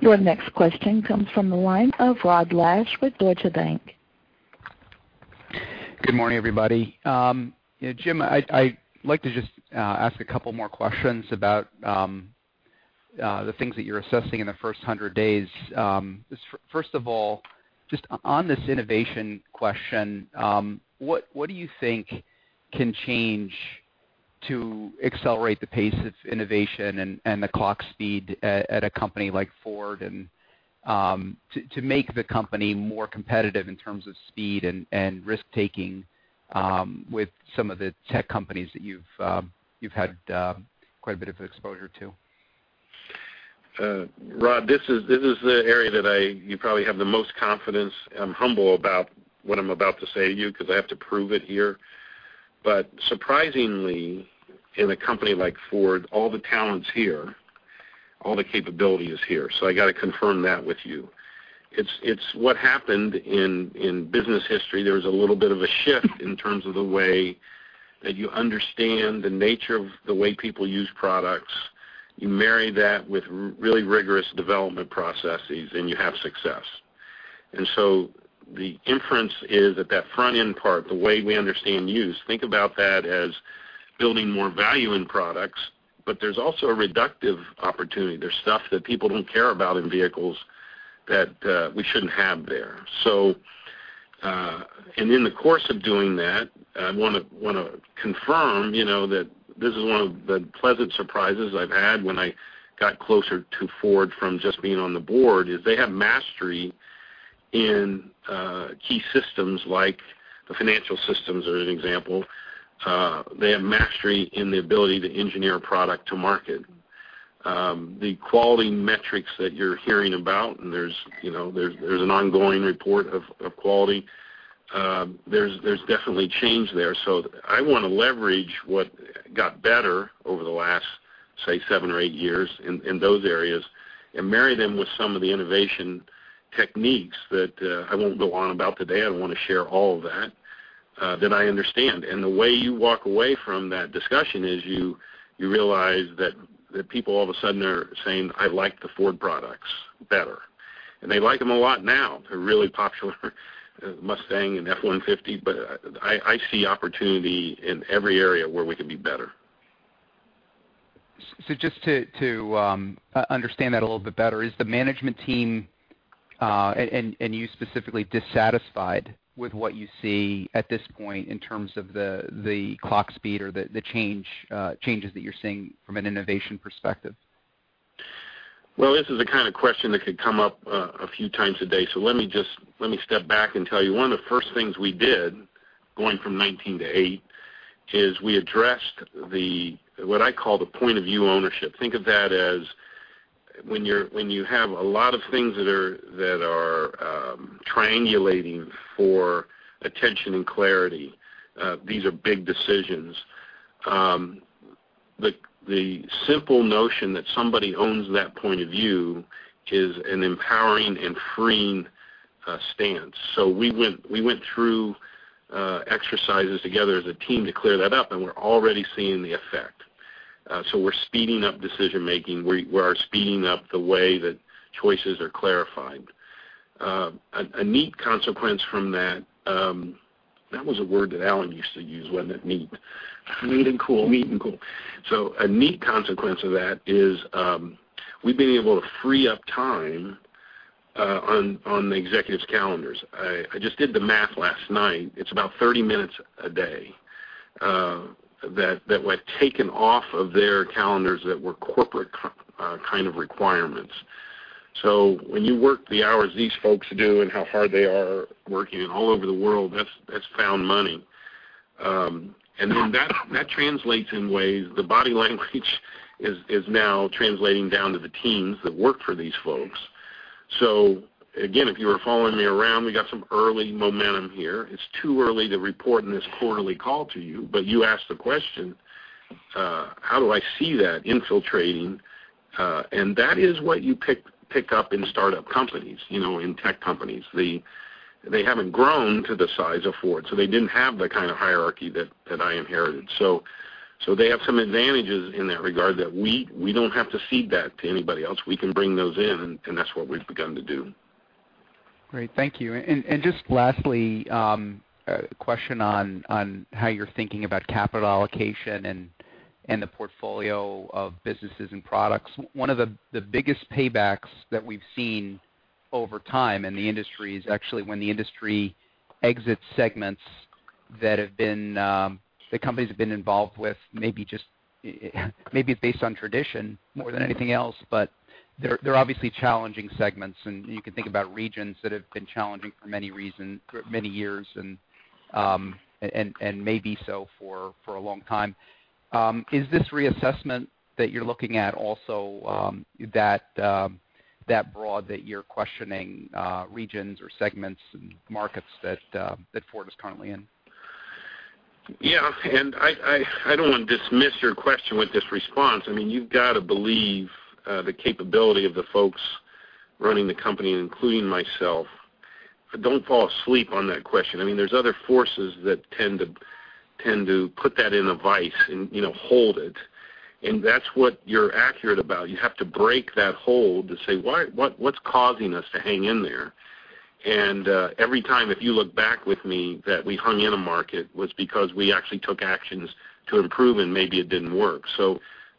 Your next question comes from the line of Rod Lache with Deutsche Bank. Good morning, everybody. Jim, I'd like to just ask a couple more questions about the things that you're assessing in the first 100 days. First of all, just on this innovation question, what do you think can change to accelerate the pace of innovation and the clock speed at a company like Ford, and to make the company more competitive in terms of speed and risk-taking with some of the tech companies that you've had quite a bit of exposure to. Rod, this is the area that you probably have the most confidence. I'm humble about what I'm about to say to you because I have to prove it here. Surprisingly, in a company like Ford, all the talent's here, all the capability is here. I got to confirm that with you. It's what happened in business history. There was a little bit of a shift in terms of the way that you understand the nature of the way people use products. You marry that with really rigorous development processes, and you have success. The inference is that that front-end part, the way we understand use, think about that as building more value in products, but there's also a reductive opportunity. There's stuff that people don't care about in vehicles that we shouldn't have there. In the course of doing that, I want to confirm that this is one of the pleasant surprises I've had when I got closer to Ford from just being on the board, is they have mastery in key systems like the financial systems are an example. They have mastery in the ability to engineer a product to market. The quality metrics that you're hearing about, and there's an ongoing report of quality. There's definitely change there. I want to leverage what got better over the last, say, seven or eight years in those areas and marry them with some of the innovation techniques that I won't go on about today. I don't want to share all of that I understand. The way you walk away from that discussion is you realize that people all of a sudden are saying, "I like the Ford products better." They like them a lot now. They're really popular, Mustang and F-150, I see opportunity in every area where we can be better. Just to understand that a little bit better, is the management team, and you specifically, dissatisfied with what you see at this point in terms of the clock speed or the changes that you're seeing from an innovation perspective? Well, this is the kind of question that could come up a few times a day. Let me step back and tell you. One of the first things we did, going from 19 to 8, is we addressed what I call the point of view ownership. Think of that as when you have a lot of things that are triangulating for attention and clarity. These are big decisions. The simple notion that somebody owns that point of view is an empowering and freeing stance. We went through exercises together as a team to clear that up, and we're already seeing the effect. We're speeding up decision-making. We are speeding up the way that choices are clarified. A neat consequence from that. That was a word that Alan used to use, wasn't it? Neat. Neat and cool. Neat and cool. A neat consequence of that is we've been able to free up time on the executives' calendars. I just did the math last night. It's about 30 minutes a day that was taken off of their calendars that were corporate kind of requirements. When you work the hours these folks do and how hard they are working and all over the world, that's found money. That translates in ways. The body language is now translating down to the teams that work for these folks. Again, if you were following me around, we got some early momentum here. It's too early to report in this quarterly call to you, but you asked the question, how do I see that infiltrating? That is what you pick up in startup companies, in tech companies. They haven't grown to the size of Ford, they didn't have the kind of hierarchy that I inherited. They have some advantages in that regard that we don't have to cede that to anybody else. We can bring those in, that's what we've begun to do. Great. Thank you. Just lastly, a question on how you're thinking about capital allocation and the portfolio of businesses and products. One of the biggest paybacks that we've seen over time in the industry is actually when the industry exits segments that companies have been involved with, maybe based on tradition more than anything else. They're obviously challenging segments, and you can think about regions that have been challenging for many years and maybe so for a long time. Is this reassessment that you're looking at also that broad that you're questioning regions or segments and markets that Ford is currently in? Yeah. I don't want to dismiss your question with this response. You've got to believe the capability of the folks running the company, including myself. Don't fall asleep on that question. There's other forces that tend to put that in a vice and hold it. That's what you're accurate about. You have to break that hold to say, what's causing us to hang in there? Every time, if you look back with me, that we hung in a market was because we actually took actions to improve, and maybe it didn't work.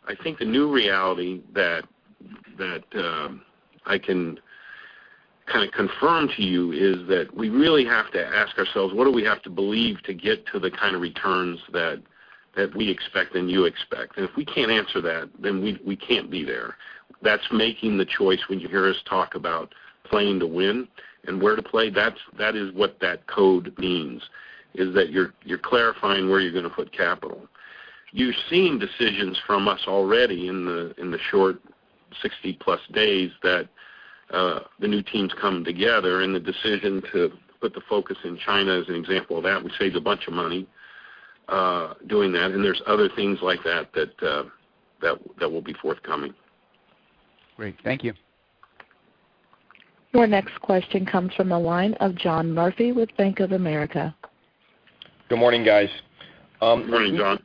I think the new reality that I can Kind of confirm to you is that we really have to ask ourselves, what do we have to believe to get to the kind of returns that we expect and you expect? If we can't answer that, we can't be there. That's making the choice when you hear us talk about playing to win and where to play, that is what that code means, is that you're clarifying where you're going to put capital. You've seen decisions from us already in the short 60-plus days that the new team's coming together, and the decision to put the Focus in China is an example of that. We saved a bunch of money doing that, and there's other things like that will be forthcoming. Great. Thank you. Your next question comes from the line of John Murphy with Bank of America. Good morning, guys. Good morning, John.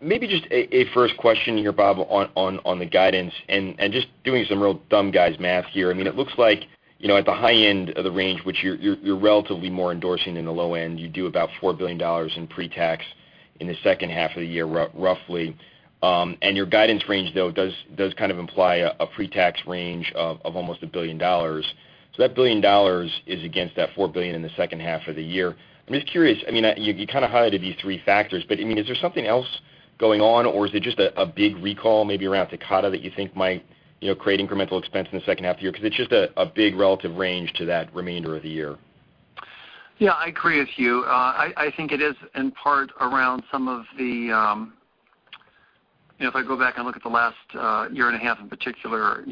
Maybe just a first question here, Bob, on the guidance and just doing some real dumb guy's math here. It looks like at the high end of the range, which you're relatively more endorsing in the low end, you do about $4 billion in pre-tax in the second half of the year, roughly. Your guidance range, though, does kind of imply a pre-tax range of almost $1 billion. That $1 billion is against that $4 billion in the second half of the year. I'm just curious, you kind of highlighted these three factors, is there something else going on, or is it just a big recall, maybe around Takata, that you think might create incremental expense in the second half of the year? It's just a big relative range to that remainder of the year. Yeah, I agree with you. I think it is in part around If I go back and look at the last year and a half in particular,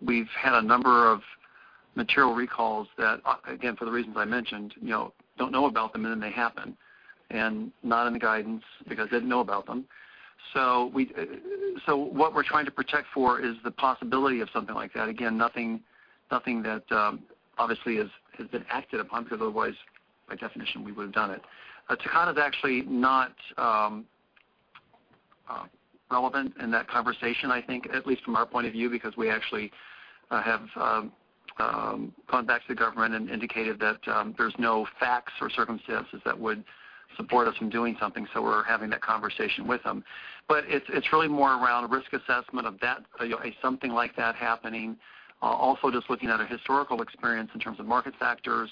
we've had a number of material recalls that, again, for the reasons I mentioned, don't know about them, then they happen. Not in the guidance because they didn't know about them. What we're trying to protect for is the possibility of something like that. Again, nothing that obviously has been acted upon because otherwise, by definition, we would've done it. Takata is actually not relevant in that conversation, I think, at least from our point of view, because we actually have gone back to the government and indicated that there's no facts or circumstances that would support us from doing something. We're having that conversation with them. It's really more around risk assessment of something like that happening. Also, just looking at a historical experience in terms of market factors,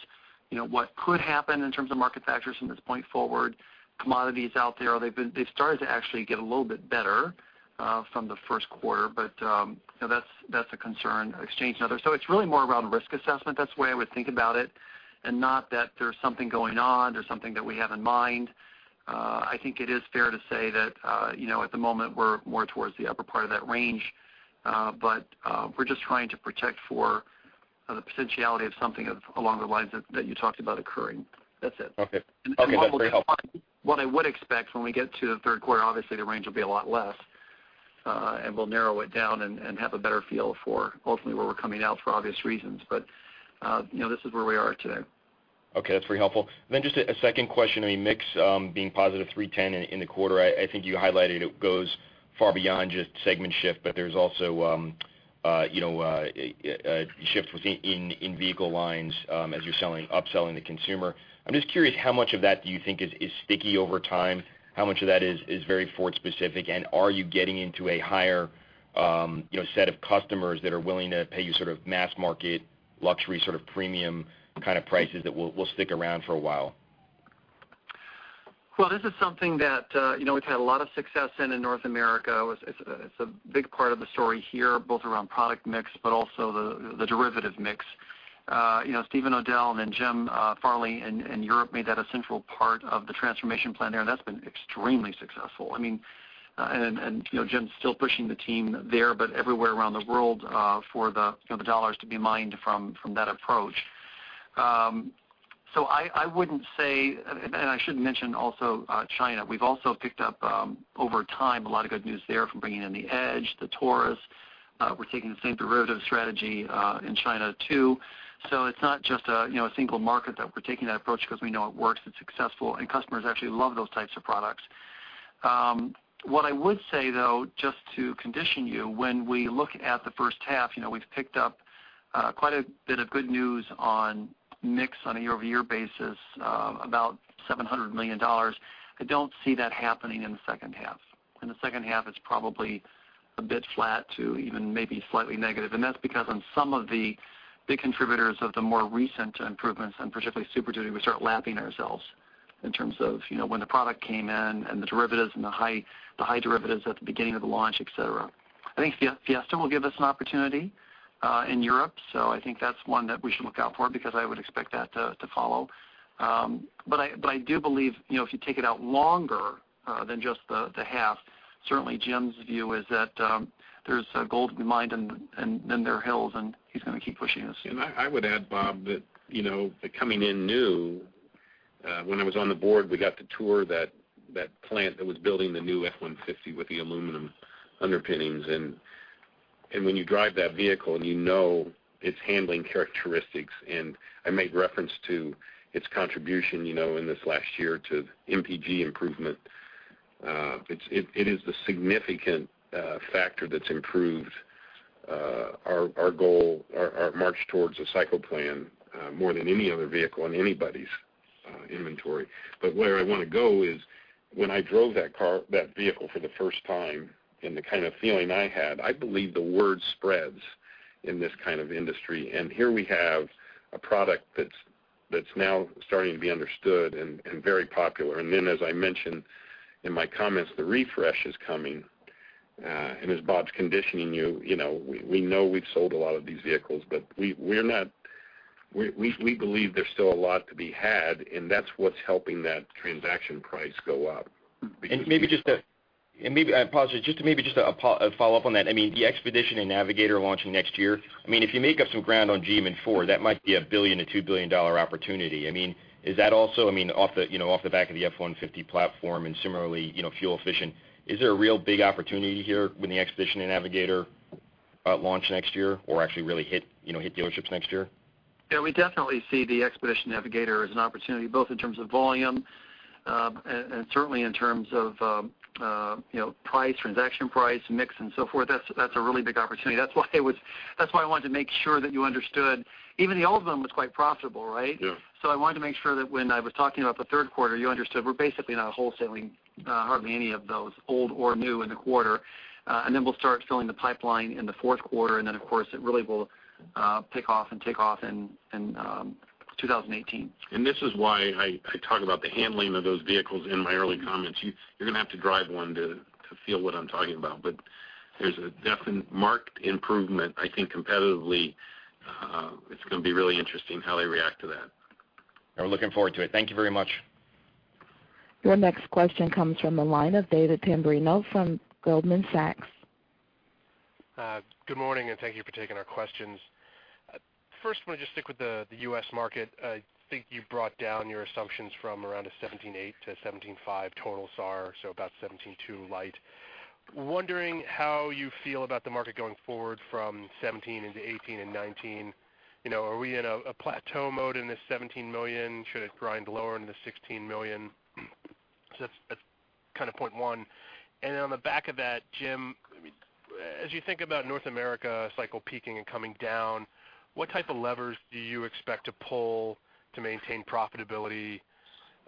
what could happen in terms of market factors from this point forward. Commodities out there, they've started to actually get a little bit better from the first quarter, That's a concern, exchange and others. It's really more around risk assessment. That's the way I would think about it, and not that there's something going on, there's something that we have in mind. I think it is fair to say that at the moment, we're more towards the upper part of that range. We're just trying to protect for the potentiality of something along the lines that you talked about occurring. That's it. Okay. That's very helpful. What I would expect when we get to the third quarter, obviously the range will be a lot less, and we'll narrow it down and have a better feel for ultimately where we're coming out for obvious reasons. This is where we are today. Okay, that's very helpful. Just a second question. Mix being positive 310 in the quarter, I think you highlighted it goes far beyond just segment shift, but there's also a shift within in-vehicle lines as you're upselling the consumer. I'm just curious, how much of that do you think is sticky over time? How much of that is very Ford specific, and are you getting into a higher set of customers that are willing to pay you sort of mass market luxury, sort of premium kind of prices that will stick around for a while? This is something that we've had a lot of success in North America. It's a big part of the story here, both around product mix, but also the derivative mix. Stephen Odell and then Jim Farley in Europe made that a central part of the transformation plan there, and that's been extremely successful. Jim's still pushing the team there, but everywhere around the world for the dollars to be mined from that approach. I should mention also China. We've also picked up, over time, a lot of good news there from bringing in the Edge, the Taurus. We're taking the same derivative strategy in China, too. It's not just a single market that we're taking that approach because we know it works, it's successful, and customers actually love those types of products. What I would say, though, just to condition you, when we look at the first half, we've picked up quite a bit of good news on mix on a year-over-year basis, about $700 million. I don't see that happening in the second half. In the second half, it's probably a bit flat to even maybe slightly negative. That's because on some of the big contributors of the more recent improvements, particularly Super Duty, we start lapping ourselves in terms of when the product came in and the derivatives and the high derivatives at the beginning of the launch, et cetera. I think Fiesta will give us an opportunity in Europe, I think that's one that we should look out for because I would expect that to follow. I do believe if you take it out longer than just the half, certainly Jim's view is that there's gold to be mined in their hills and he's going to keep pushing us. I would add, Bob, that coming in new, when I was on the board, we got to tour that plant that was building the new F-150 with the aluminum underpinnings. When you drive that vehicle and you know its handling characteristics, I made reference to its contribution in this last year to MPG improvement. It is the significant factor that's improved our march towards a cycle plan more than any other vehicle in anybody's Inventory. Where I want to go is when I drove that car, that vehicle for the first time, and the kind of feeling I had, I believe the word spreads in this kind of industry. Here we have a product that's now starting to be understood and very popular. As I mentioned in my comments, the refresh is coming. As Bob's conditioning you, we know we've sold a lot of these vehicles, but we believe there's still a lot to be had, and that's what's helping that transaction price go up. Maybe just to follow up on that. The Expedition and Navigator launching next year. If you make up some ground on GM and Ford, that might be a $1 billion-$2 billion opportunity. Off the back of the F-150 platform and similarly fuel efficient, is there a real big opportunity here when the Expedition and Navigator launch next year, or actually really hit dealerships next year? Yeah, we definitely see the Expedition Navigator as an opportunity, both in terms of volume, and certainly in terms of price, transaction price, mix, and so forth. That's a really big opportunity. That's why I wanted to make sure that you understood even the old one was quite profitable, right? Yeah. I wanted to make sure that when I was talking about the third quarter, you understood we're basically not wholesaling hardly any of those, old or new, in the quarter. Then we'll start filling the pipeline in the fourth quarter, and then of course, it really will pick off and take off in 2018. This is why I talk about the handling of those vehicles in my early comments. You're going to have to drive one to feel what I'm talking about. There's a marked improvement. I think competitively, it's going to be really interesting how they react to that. I'm looking forward to it. Thank you very much. Your next question comes from the line of David Tamberrino from Goldman Sachs. Good morning, and thank you for taking our questions. First, I want to just stick with the U.S. market. I think you've brought down your assumptions from around a 17.8 to 17.5 total SAAR, so about 17.2 light. Wondering how you feel about the market going forward from 2017 into 2018 and 2019. Are we in a plateau mode in this 17 million? Should it grind lower into 16 million? That's kind of point one. On the back of that, Jim, as you think about North America cycle peaking and coming down, what type of levers do you expect to pull to maintain profitability?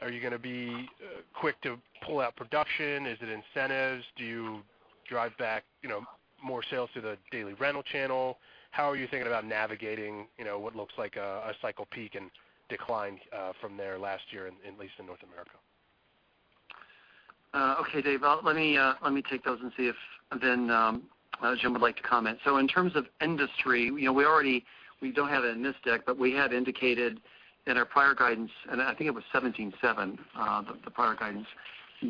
Are you going to be quick to pull out production? Is it incentives? Do you drive back more sales through the daily rental channel? How are you thinking about navigating what looks like a cycle peak and decline from there last year, at least in North America? Okay, Dave. Let me take those and see if Jim would like to comment. In terms of industry, we don't have it in this deck, but we had indicated in our prior guidance, and I think it was 17.7, the prior guidance,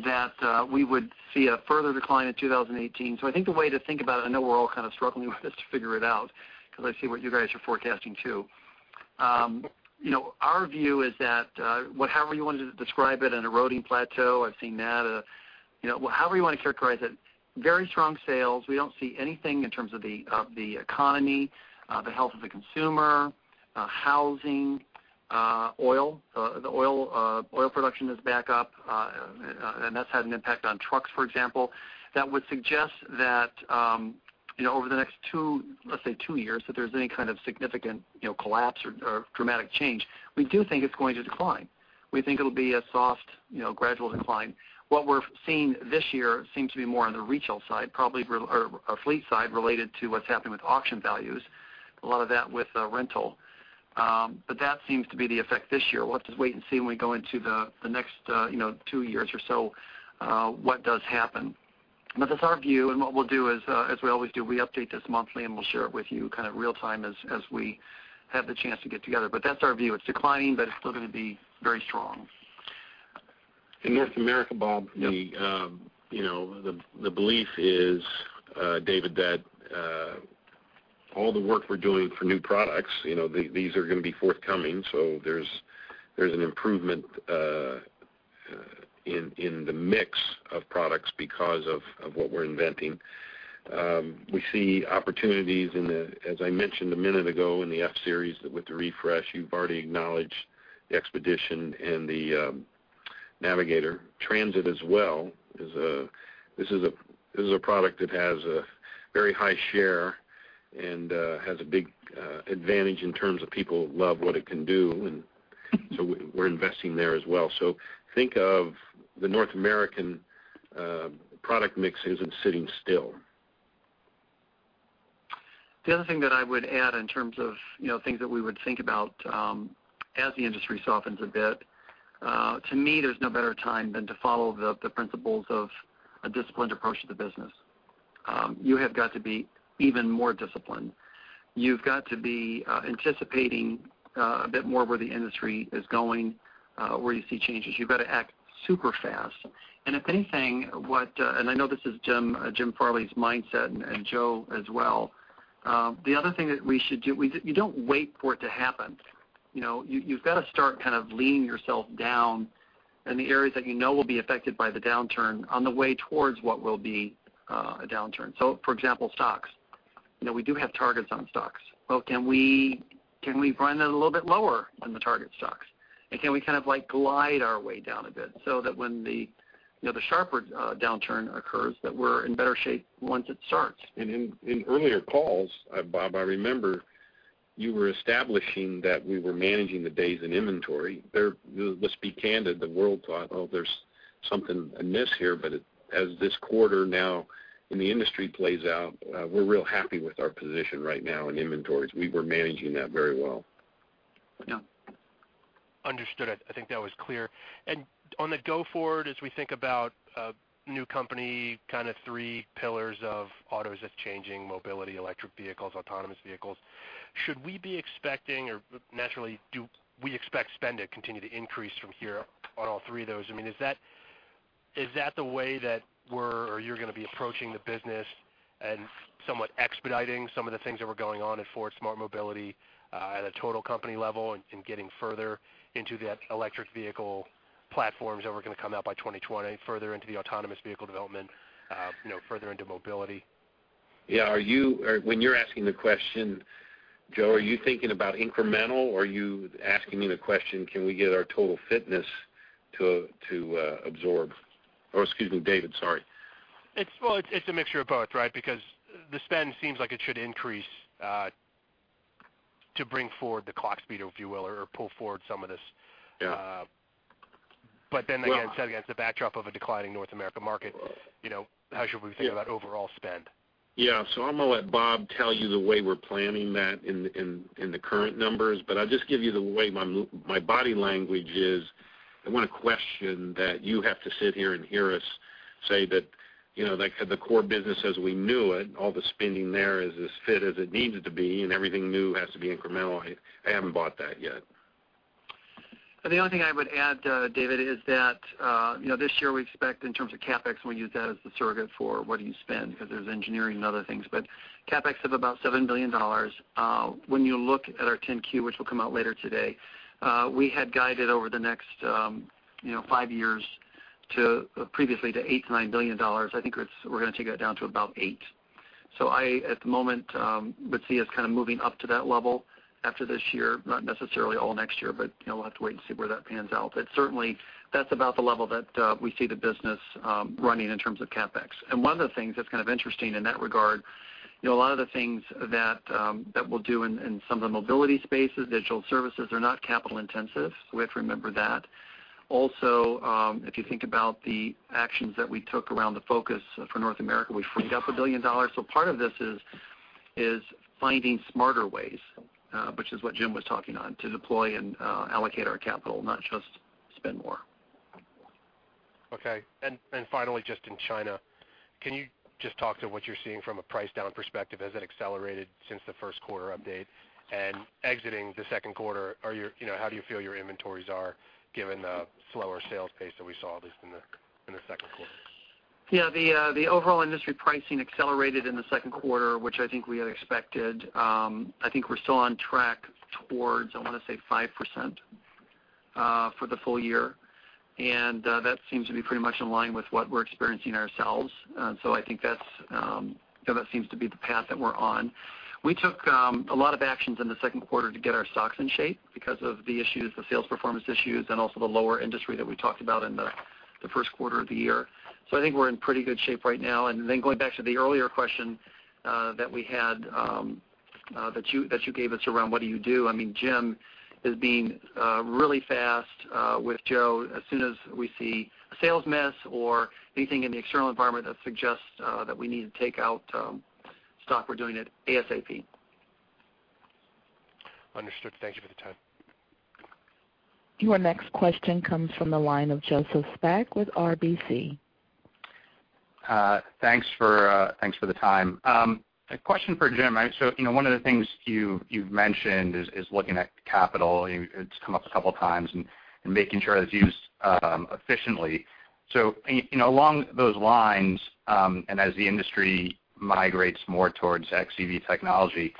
that we would see a further decline in 2018. I think the way to think about it, I know we're all kind of struggling with this to figure it out, because I see what you guys are forecasting, too. Our view is that, however you wanted to describe it, an eroding plateau, I've seen that. However you want to characterize it, very strong sales. We don't see anything in terms of the economy, the health of the consumer, housing, oil. The oil production is back up, and that's had an impact on trucks, for example. That would suggest that over the next, let's say, two years, if there's any kind of significant collapse or dramatic change, we do think it's going to decline. We think it'll be a soft, gradual decline. What we're seeing this year seems to be more on the retail side, probably a fleet side related to what's happening with auction values. A lot of that with rental. That seems to be the effect this year. We'll have to wait and see when we go into the next two years or so what does happen. That's our view, and what we'll do is, as we always do, we update this monthly and we'll share it with you real time as we have the chance to get together. That's our view. It's declining, but it's still going to be very strong. In North America, Bob Yep The belief is, David, that all the work we're doing for new products, these are going to be forthcoming. There's an improvement in the mix of products because of what we're inventing. We see opportunities in the, as I mentioned a minute ago, in the F-Series with the refresh. You've already acknowledged the Expedition and the Navigator. Transit as well. This is a product that has a very high share and has a big advantage in terms of people love what it can do. We're investing there as well. Think of the North American product mix isn't sitting still. The other thing that I would add in terms of things that we would think about as the industry softens a bit. To me, there's no better time than to follow the principles of a disciplined approach to the business. You have got to be even more disciplined. You've got to be anticipating a bit more where the industry is going, where you see changes. You've got to act super fast. If anything, and I know this is Jim Farley's mindset, and Joe as well. The other thing that we should do, you don't wait for it to happen. You've got to start kind of leaning yourself down in the areas that you know will be affected by the downturn on the way towards what will be a downturn. For example, stocks. We do have targets on stocks. Well, can we run that a little bit lower on the target stocks? Can we kind of glide our way down a bit so that when the sharper downturn occurs, that we're in better shape once it starts? In earlier calls, Bob, I remember you were establishing that we were managing the days in inventory. Let's be candid, the world thought, "Oh, there's something amiss here." As this quarter now in the industry plays out, we're real happy with our position right now in inventories. We were managing that very well. Yeah. Understood. I think that was clear. On the go forward, as we think about a new company, kind of three pillars of autos as changing mobility, electric vehicles, autonomous vehicles. Should we be expecting, or naturally do we expect spend to continue to increase from here on all three of those? I mean, is that the way that we're or you're going to be approaching the business and somewhat expediting some of the things that were going on at Ford Smart Mobility, at a total company level and getting further into that electric vehicle platforms that were going to come out by 2020, further into the autonomous vehicle development, further into mobility? Yeah. When you're asking the question, Joe, are you thinking about incremental, or are you asking me the question, can we get our total fitness to absorb, or excuse me, David, sorry. It's a mixture of both, right? The spend seems like it should increase to bring forward the clock speed, if you will, or pull forward some of this. Yeah Again. Well- Against the backdrop of a declining North America market. How should we think about overall spend? Yeah. I'm going to let Bob tell you the way we're planning that in the current numbers, but I'll just give you the way my body language is. I want a question that you have to sit here and hear us say that the core business as we knew it, all the spending there is as fit as it needed to be, and everything new has to be incremental. I haven't bought that yet. The only thing I would add, David, is that this year we expect in terms of CapEx, we use that as the surrogate for what do you spend, because there's engineering and other things. CapEx of about $7 billion. When you look at our 10-Q, which will come out later today, we had guided over the next five years previously to $8 billion-$9 billion. I think we're going to take that down to about $8 billion. I, at the moment, would see us kind of moving up to that level after this year, not necessarily all next year. We'll have to wait and see where that pans out. Certainly, that's about the level that we see the business running in terms of CapEx. One of the things that's kind of interesting in that regard, a lot of the things that we'll do in some of the mobility spaces, digital services are not capital intensive. We have to remember that. Also, if you think about the actions that we took around the Focus for North America, we freed up $1 billion. Part of this is finding smarter ways, which is what Jim was talking on, to deploy and allocate our capital, not just spend more. Okay. Finally, just in China, can you just talk to what you're seeing from a price down perspective? Has it accelerated since the first quarter update and exiting the second quarter, how do you feel your inventories are given the slower sales pace that we saw, at least in the second quarter? Yeah. The overall industry pricing accelerated in the second quarter, which I think we had expected. I think we're still on track towards, I want to say 5% for the full year. That seems to be pretty much in line with what we're experiencing ourselves. I think that seems to be the path that we're on. We took a lot of actions in the second quarter to get our stocks in shape because of the issues, the sales performance issues, and also the lower industry that we talked about in the first quarter of the year. I think we're in pretty good shape right now. Going back to the earlier question that we had that you gave us around what do you do, Jim is being really fast with Joe. As soon as we see a sales miss or anything in the external environment that suggests that we need to take out stock, we're doing it ASAP. Understood. Thank you for the time. Your next question comes from the line of Joseph Spak with RBC. Thanks for the time. A question for Jim. One of the things you've mentioned is looking at capital. It's come up a couple of times, and making sure that it's used efficiently. Along those lines, and as the industry migrates more towards xEV technology,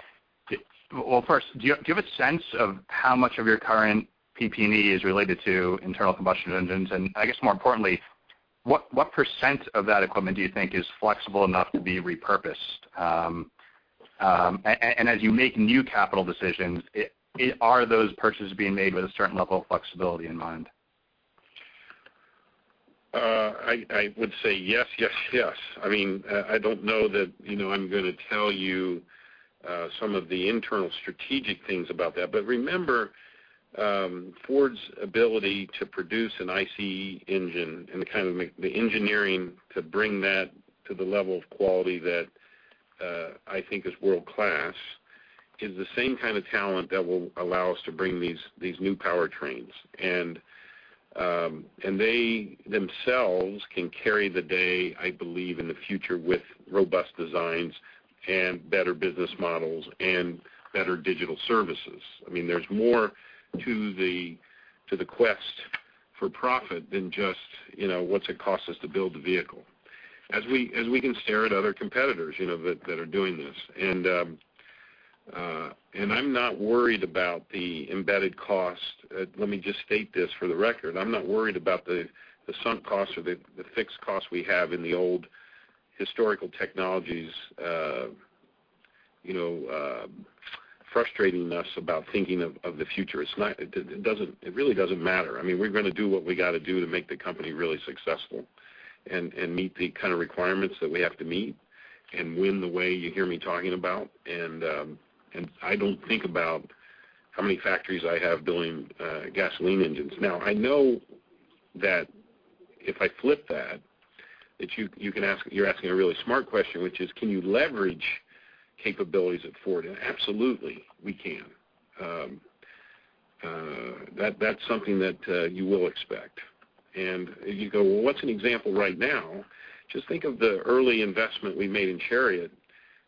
well, first, do you have a sense of how much of your current PP&E is related to internal combustion engines? And I guess more importantly, what % of that equipment do you think is flexible enough to be repurposed? And as you make new capital decisions, are those purchases being made with a certain level of flexibility in mind? I would say yes. I don't know that I'm going to tell you some of the internal strategic things about that. Remember, Ford's ability to produce an ICE engine and the kind of the engineering to bring that to the level of quality that I think is world-class is the same kind of talent that will allow us to bring these new powertrains. They themselves can carry the day, I believe, in the future with robust designs and better business models and better digital services. There's more to the quest for profit than just what's it cost us to build the vehicle. As we can stare at other competitors that are doing this. I'm not worried about the embedded cost. Let me just state this for the record. I'm not worried about the sunk cost or the fixed cost we have in the old historical technologies frustrating us about thinking of the future. It really doesn't matter. We're going to do what we got to do to make the company really successful and meet the kind of requirements that we have to meet and win the way you hear me talking about. I don't think about how many factories I have building gasoline engines. Now, I know that if I flip that, you're asking a really smart question, which is, can you leverage capabilities at Ford? Absolutely, we can. That's something that you will expect. You go, well, what's an example right now? Just think of the early investment we made in Chariot.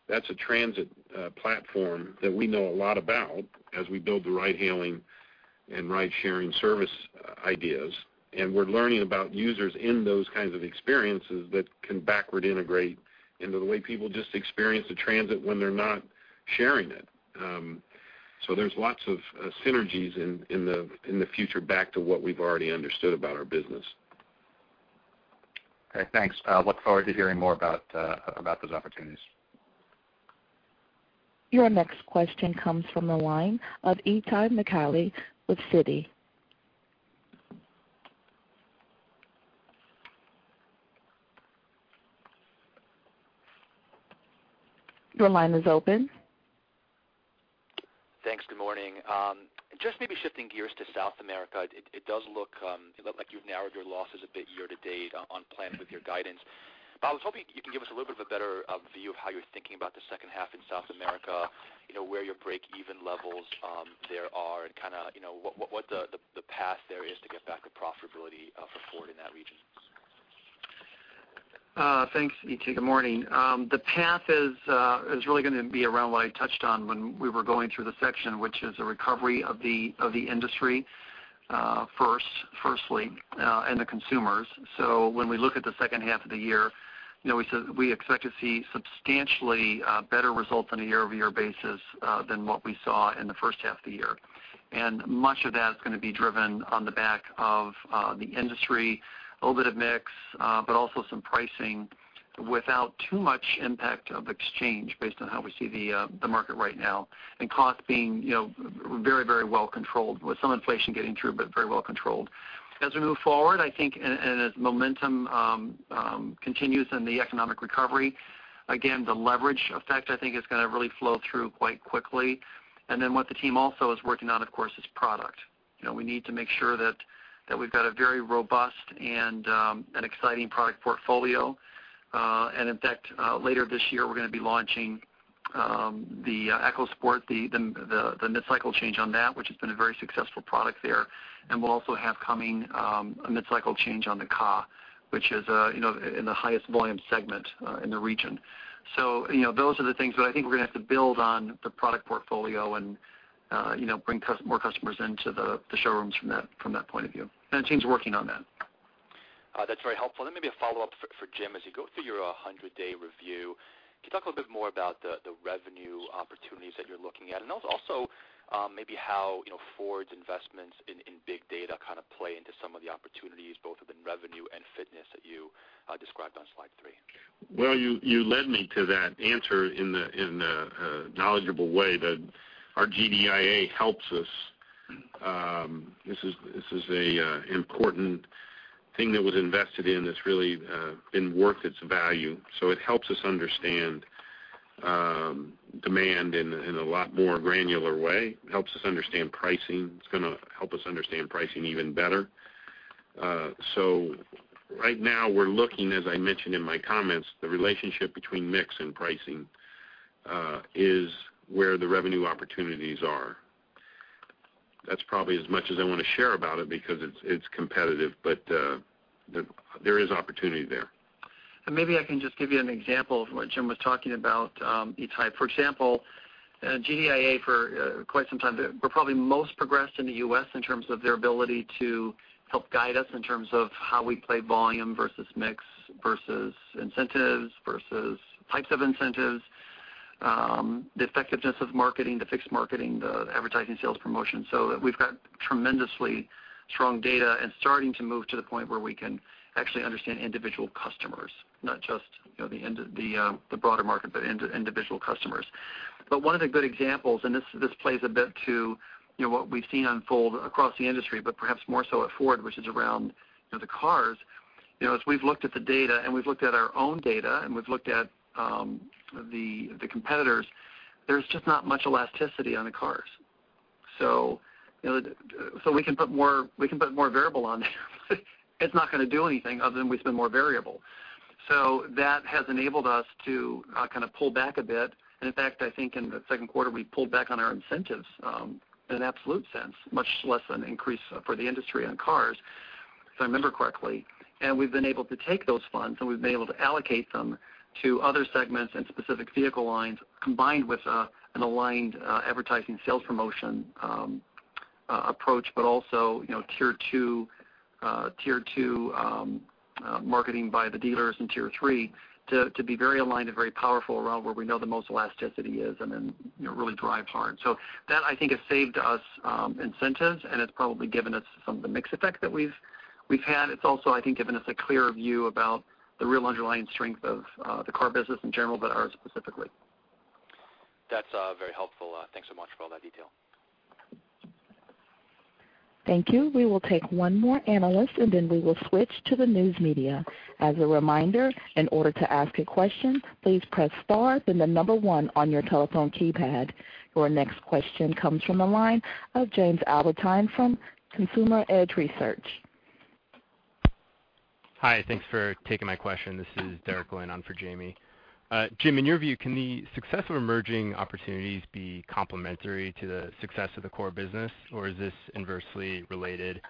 That's a transit platform that we know a lot about as we build the ride-hailing and ride-sharing service ideas. We're learning about users in those kinds of experiences that can backward integrate into the way people just experience the transit when they're not sharing it. There's lots of synergies in the future back to what we've already understood about our business. Okay, thanks. Look forward to hearing more about those opportunities. Your next question comes from the line of Itay Michaeli with Citi. Your line is open. Thanks. Good morning. Just maybe shifting gears to South America. It does look like you've narrowed your losses a bit year to date on plan with your guidance. I was hoping you can give us a little bit of a better view of how you're thinking about the second half in South America, where your break-even levels there are, and what the path there is to get back to profitability for Ford in that region. Thanks, Itay. Good morning. The path is really going to be around what I touched on when we were going through the section, which is a recovery of the industry firstly, and the consumers. When we look at the second half of the year, we expect to see substantially better results on a year-over-year basis than what we saw in the first half of the year. Much of that is going to be driven on the back of the industry, a little bit of mix, but also some pricing without too much impact of exchange based on how we see the market right now, and cost being very well controlled with some inflation getting through, but very well controlled. As we move forward, I think, and as momentum continues in the economic recovery, again, the leverage effect, I think, is going to really flow through quite quickly. Then what the team also is working on, of course, is product. We need to make sure that we've got a very robust and an exciting product portfolio. In fact, later this year, we're going to be launching the EcoSport, the mid-cycle change on that, which has been a very successful product there. We'll also have coming a mid-cycle change on the Ka, which is in the highest volume segment in the region. Those are the things that I think we're going to have to build on the product portfolio and bring more customers into the showrooms from that point of view. The team's working on that. That's very helpful. Maybe a follow-up for Jim, as you go through your 100-day review, can you talk a little bit more about the revenue opportunities that you're looking at? Also maybe how Ford's investments in big data kind of play into some of the opportunities both within revenue and fitness that you described on slide three. Well, you led me to that answer in a knowledgeable way that our GDIA helps us. This is a important thing that was invested in that's really been worth its value. It helps us understand demand in a lot more granular way, helps us understand pricing. It's going to help us understand pricing even better. Right now we're looking, as I mentioned in my comments, the relationship between mix and pricing is where the revenue opportunities are. That's probably as much as I want to share about it because it's competitive, but there is opportunity there. Maybe I can just give you an example of what Jim was talking about, Itay. For example, GDIA, for quite some time, we're probably most progressed in the U.S. in terms of their ability to help guide us in terms of how we play volume versus mix versus incentives versus types of incentives, the effectiveness of marketing, the fixed marketing, the advertising sales promotion. We've got tremendously strong data and starting to move to the point where we can actually understand individual customers, not just the broader market, but individual customers. One of the good examples, and this plays a bit to what we've seen unfold across the industry, but perhaps more so at Ford, which is around the cars. We've looked at the data and we've looked at our own data and we've looked at the competitors, there's just not much elasticity on the cars. We can put more variable on there it's not going to do anything other than we spend more variable. That has enabled us to kind of pull back a bit. In fact, I think in the second quarter, we pulled back on our incentives in an absolute sense, much less an increase for the industry on cars, if I remember correctly. We've been able to take those funds, and we've been able to allocate them to other segments and specific vehicle lines, combined with an aligned advertising sales promotion approach, but also Tier 2 marketing by the dealers in Tier 3 to be very aligned and very powerful around where we know the most elasticity is and then really drive hard. That I think has saved us incentives and it's probably given us some of the mix effect that we've had. It's also, I think, given us a clearer view about the real underlying strength of the car business in general, but ours specifically. That's very helpful. Thanks so much for all that detail. Thank you. We will take one more analyst and then we will switch to the news media. As a reminder, in order to ask a question, please press star then the number one on your telephone keypad. Your next question comes from the line of James Albertine from Consumer Edge Research. Hi, thanks for taking my question. This is Derek going on for Jamie. Jim, in your view, can the success of emerging opportunities be complementary to the success of the core business, or is this inversely related?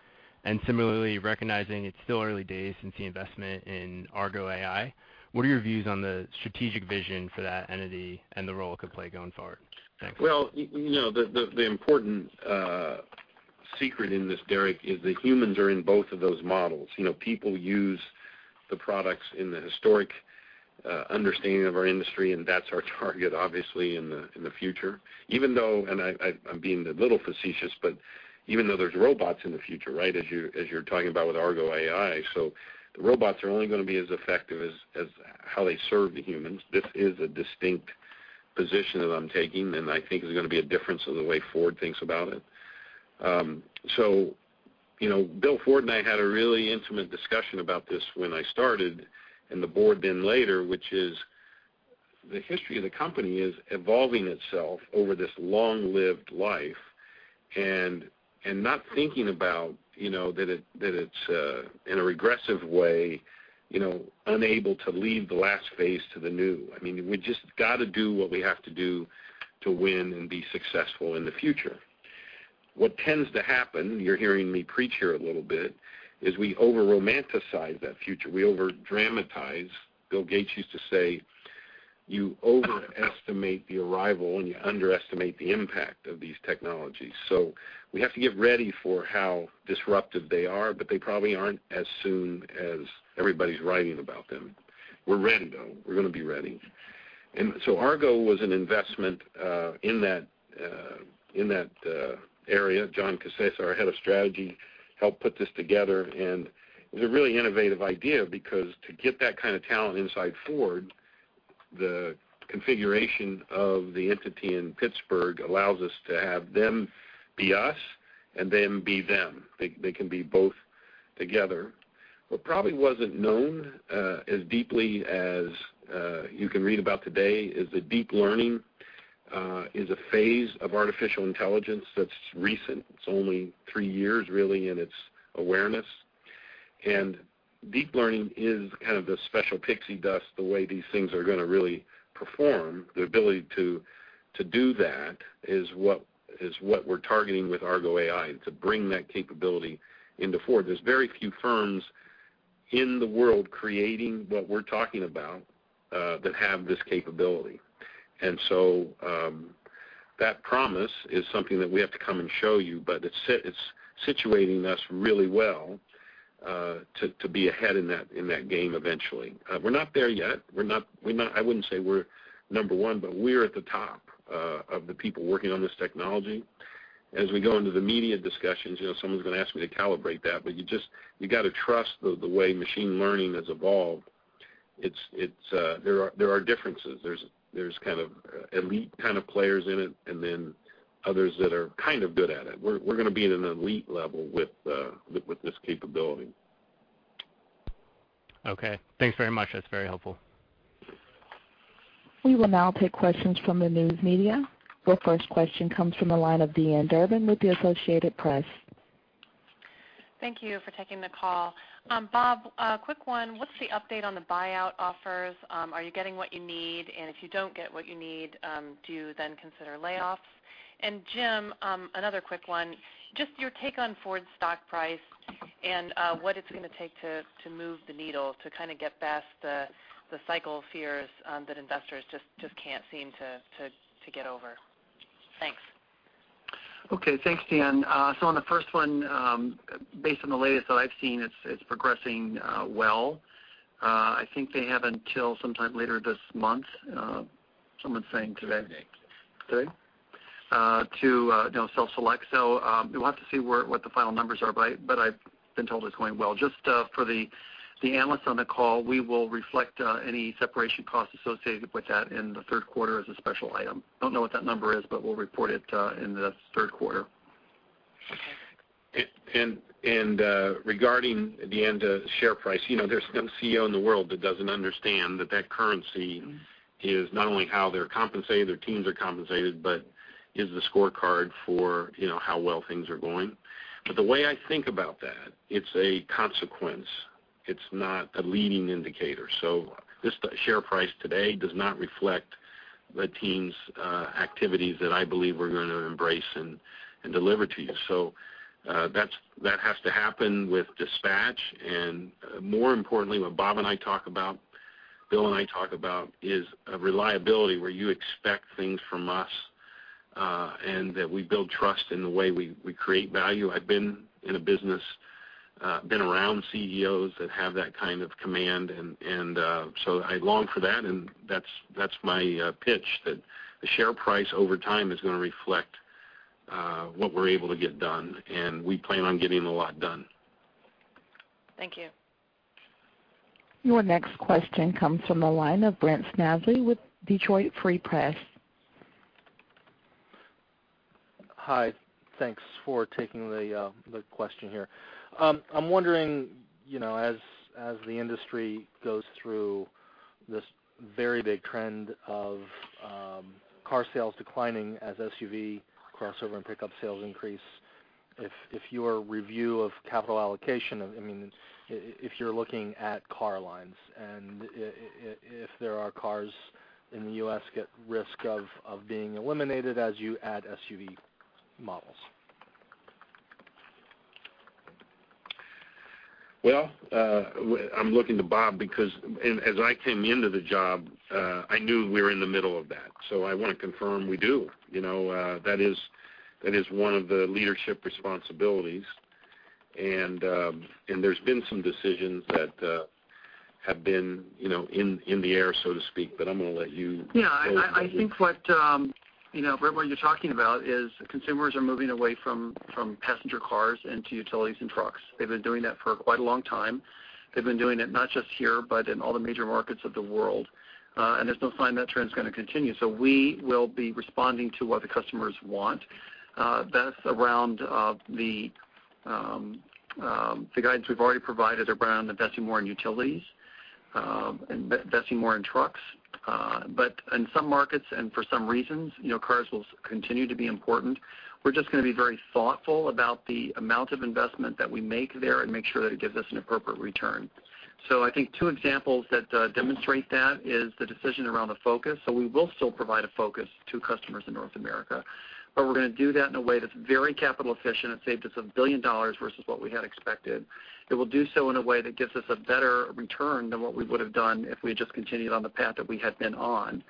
Similarly, recognizing it's still early days since the investment in Argo AI, what are your views on the strategic vision for that entity and the role it could play going forward? Thanks. The important secret in this, Derek, is that humans are in both of those models. People use the products in the historic understanding of our industry, and that's our target, obviously, in the future. Even though, and I'm being a little facetious, but even though there's robots in the future, right, as you're talking about with Argo AI. The robots are only going to be as effective as how they serve the humans. This is a distinct position that I'm taking, and I think there's going to be a difference in the way Ford thinks about it. Bill Ford and I had a really intimate discussion about this when I started, and the board then later, which is the history of the company is evolving itself over this long-lived life and not thinking about that it's in a regressive way unable to leave the last phase to the new. We just got to do what we have to do to win and be successful in the future. What tends to happen, you're hearing me preach here a little bit, is we over-romanticize that future. We over-dramatize. Bill Gates used to say, "You overestimate the arrival and you underestimate the impact of these technologies." We have to get ready for how disruptive they are, but they probably aren't as soon as everybody's writing about them. We're ready, though. We're going to be ready. Argo was an investment in that area. John Casesa, our head of strategy, helped put this together and it was a really innovative idea because to get that kind of talent inside Ford, the configuration of the entity in Pittsburgh allows us to have them be us and them be them. They can be both together. What probably wasn't known as deeply as you can read about today is that deep learning is a phase of artificial intelligence that's recent. It's only three years really in its awareness. Deep learning is kind of the special pixie dust, the way these things are going to really perform. The ability to do that is what we're targeting with Argo AI, to bring that capability into Ford. There's very few firms in the world creating what we're talking about that have this capability. That promise is something that we have to come and show you, but it's situating us really well to be ahead in that game eventually. We're not there yet. I wouldn't say we're number one, but we're at the top of the people working on this technology. As we go into the media discussions someone's going to ask me to calibrate that. You got to trust the way machine learning has evolved. There are differences. There's kind of elite kind of players in it and then others that are kind of good at it. We're going to be at an elite level with this capability. Okay. Thanks very much. That's very helpful. We will now take questions from the news media. Your first question comes from the line of Dee-Ann Durbin with the Associated Press. Thank you for taking the call. Bob, a quick one. What's the update on the buyout offers? Are you getting what you need? If you don't get what you need, do you then consider layoffs? Jim, another quick one. Just your take on Ford's stock price and what it's going to take to move the needle to kind of get past the cycle fears that investors just can't seem to get over. Thanks. Okay. Thanks, Dee-Ann. On the first one based on the latest that I've seen, it's progressing well. I think they have until sometime later this month, someone's saying today- Today Today to self-select. We'll have to see what the final numbers are, but I've been told it's going well. Just for the analysts on the call, we will reflect any separation costs associated with that in the third quarter as a special item. Don't know what that number is, but we'll report it in the third quarter. Okay. Regarding, Dee-Ann, the share price there's no CEO in the world that doesn't understand that currency is not only how they're compensated, their teams are compensated, but is the scorecard for how well things are going. The way I think about that, it's a consequence. It's not a leading indicator. The share price today does not reflect the team's activities that I believe we're going to embrace and deliver to you. That has to happen with dispatch. More importantly, what Bob and I talk about, Bill and I talk about is a reliability where you expect things from us, and that we build trust in the way we create value. I've been in a business, been around CEOs that have that kind of command, I long for that's my pitch, that the share price over time is going to reflect what we're able to get done, we plan on getting a lot done. Thank you. Your next question comes from the line of Brent Snavely with Detroit Free Press. Hi. Thanks for taking the question here. I'm wondering, as the industry goes through this very big trend of car sales declining as SUV, crossover, and pickup sales increase, if your review of capital allocation, if you're looking at car lines and if there are cars in the U.S. at risk of being eliminated as you add SUV models. Well, I'm looking to Bob because as I came into the job, I knew we were in the middle of that. I want to confirm we do. That is one of the leadership responsibilities, and there's been some decisions that have been in the air, so to speak, but I'm going to let you go ahead. I think what, Brent, what you're talking about is consumers are moving away from passenger cars into utilities and trucks. They've been doing that for quite a long time. They've been doing it not just here, but in all the major markets of the world. There's no sign that trend's going to continue. We will be responding to what the customers want. That's around the guidance we've already provided around investing more in utilities, investing more in trucks. In some markets and for some reasons, cars will continue to be important. We're just going to be very thoughtful about the amount of investment that we make there and make sure that it gives us an appropriate return. I think two examples that demonstrate that is the decision around the Focus. We will still provide a Focus to customers in North America, but we're going to do that in a way that's very capital efficient. It saved us $1 billion versus what we had expected. It will do so in a way that gives us a better return than what we would have done if we had just continued on the path that we had been on.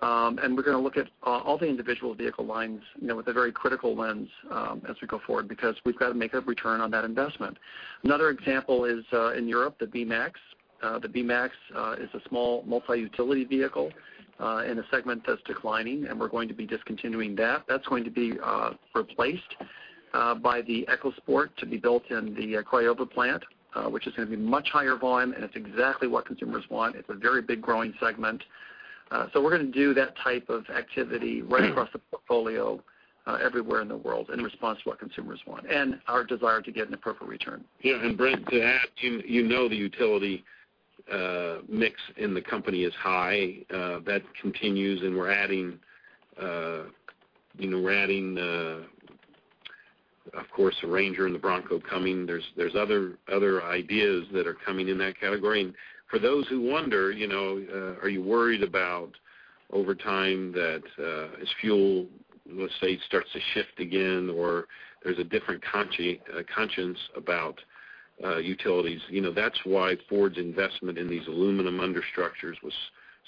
We're going to look at all the individual vehicle lines with a very critical lens as we go forward, because we've got to make a return on that investment. Another example is in Europe, the B-MAX. The B-MAX is a small multi-utility vehicle in a segment that's declining, and we're going to be discontinuing that. That's going to be replaced by the EcoSport to be built in the Craiova plant, which is going to be much higher volume, and it's exactly what consumers want. It's a very big, growing segment. We're going to do that type of activity right across the portfolio everywhere in the world in response to what consumers want and our desire to get an appropriate return. Brent, to add to, you know the utility mix in the company is high. That continues, and we're adding, of course, the Ranger and the Bronco coming. There's other ideas that are coming in that category. For those who wonder, are you worried about, over time, that as fuel, let's say, starts to shift again or there's a different conscience about utilities, that's why Ford's investment in these aluminum understructures was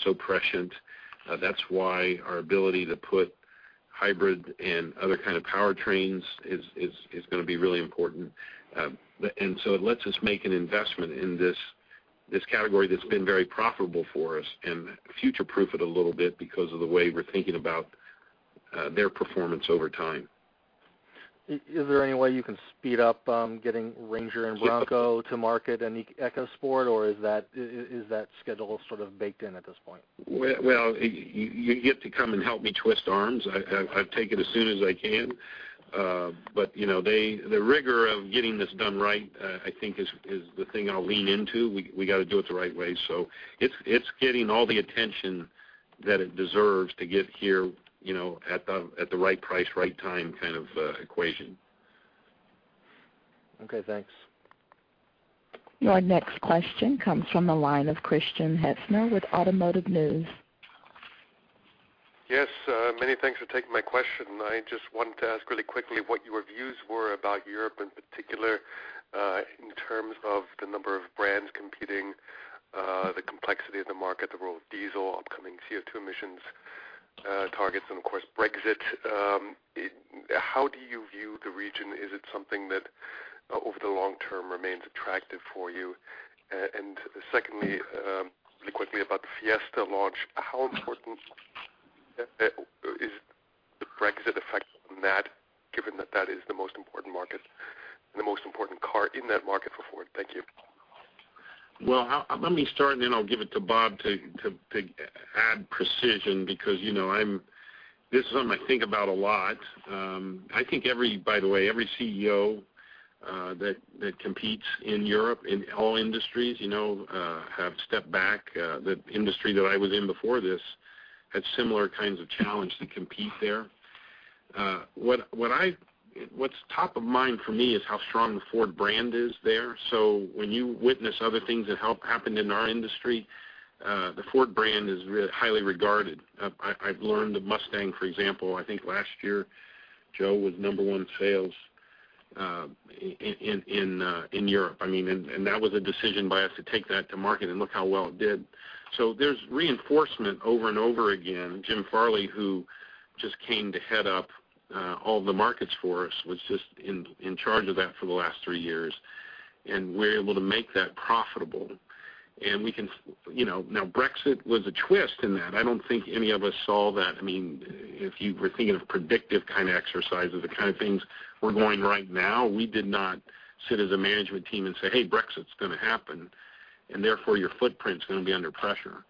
so prescient. That's why our ability to put hybrid and other kind of powertrains is going to be really important. It lets us make an investment in this category that's been very profitable for us and future-proof it a little bit because of the way we're thinking about their performance over time. Is there any way you can speed up getting Ranger and Bronco to market and the EcoSport, or is that schedule sort of baked in at this point? Well, you get to come and help me twist arms. I'd take it as soon as I can. The rigor of getting this done right, I think is the thing I'll lean into. We got to do it the right way. It's getting all the attention that it deserves to get here at the right price, right time kind of equation. Okay, thanks. Your next question comes from the line of Christiaan Hetzner with Automotive News. Many thanks for taking my question. I just wanted to ask really quickly what your views were about Europe in particular, in terms of the number of brands competing, the complexity of the market, the role of diesel, upcoming CO2 emissions targets, and of course, Brexit. How do you view the region? Is it something that over the long term remains attractive for you? Secondly, really quickly about the Fiesta launch, how important is the Brexit effect on that, given that that is the most important market and the most important car in that market for Ford? Thank you. Let me start and then I'll give it to Bob to add precision because this is something I think about a lot. I think, by the way, every CEO that competes in Europe in all industries have stepped back. The industry that I was in before this had similar kinds of challenge to compete there. What's top of mind for me is how strong the Ford brand is there. When you witness other things that happened in our industry, the Ford brand is highly regarded. I've learned the Mustang, for example, I think last year, Joe, was number one sales in Europe. That was a decision by us to take that to market and look how well it did. There's reinforcement over and over again. Jim Farley, who just came to head up all the markets for us, was just in charge of that for the last three years, and we're able to make that profitable. Brexit was a twist in that. I don't think any of us saw that. If you were thinking of predictive kind of exercises, the kind of things we're going right now, we did not sit as a management team and say, "Hey, Brexit's going to happen, and therefore your footprint's going to be under pressure."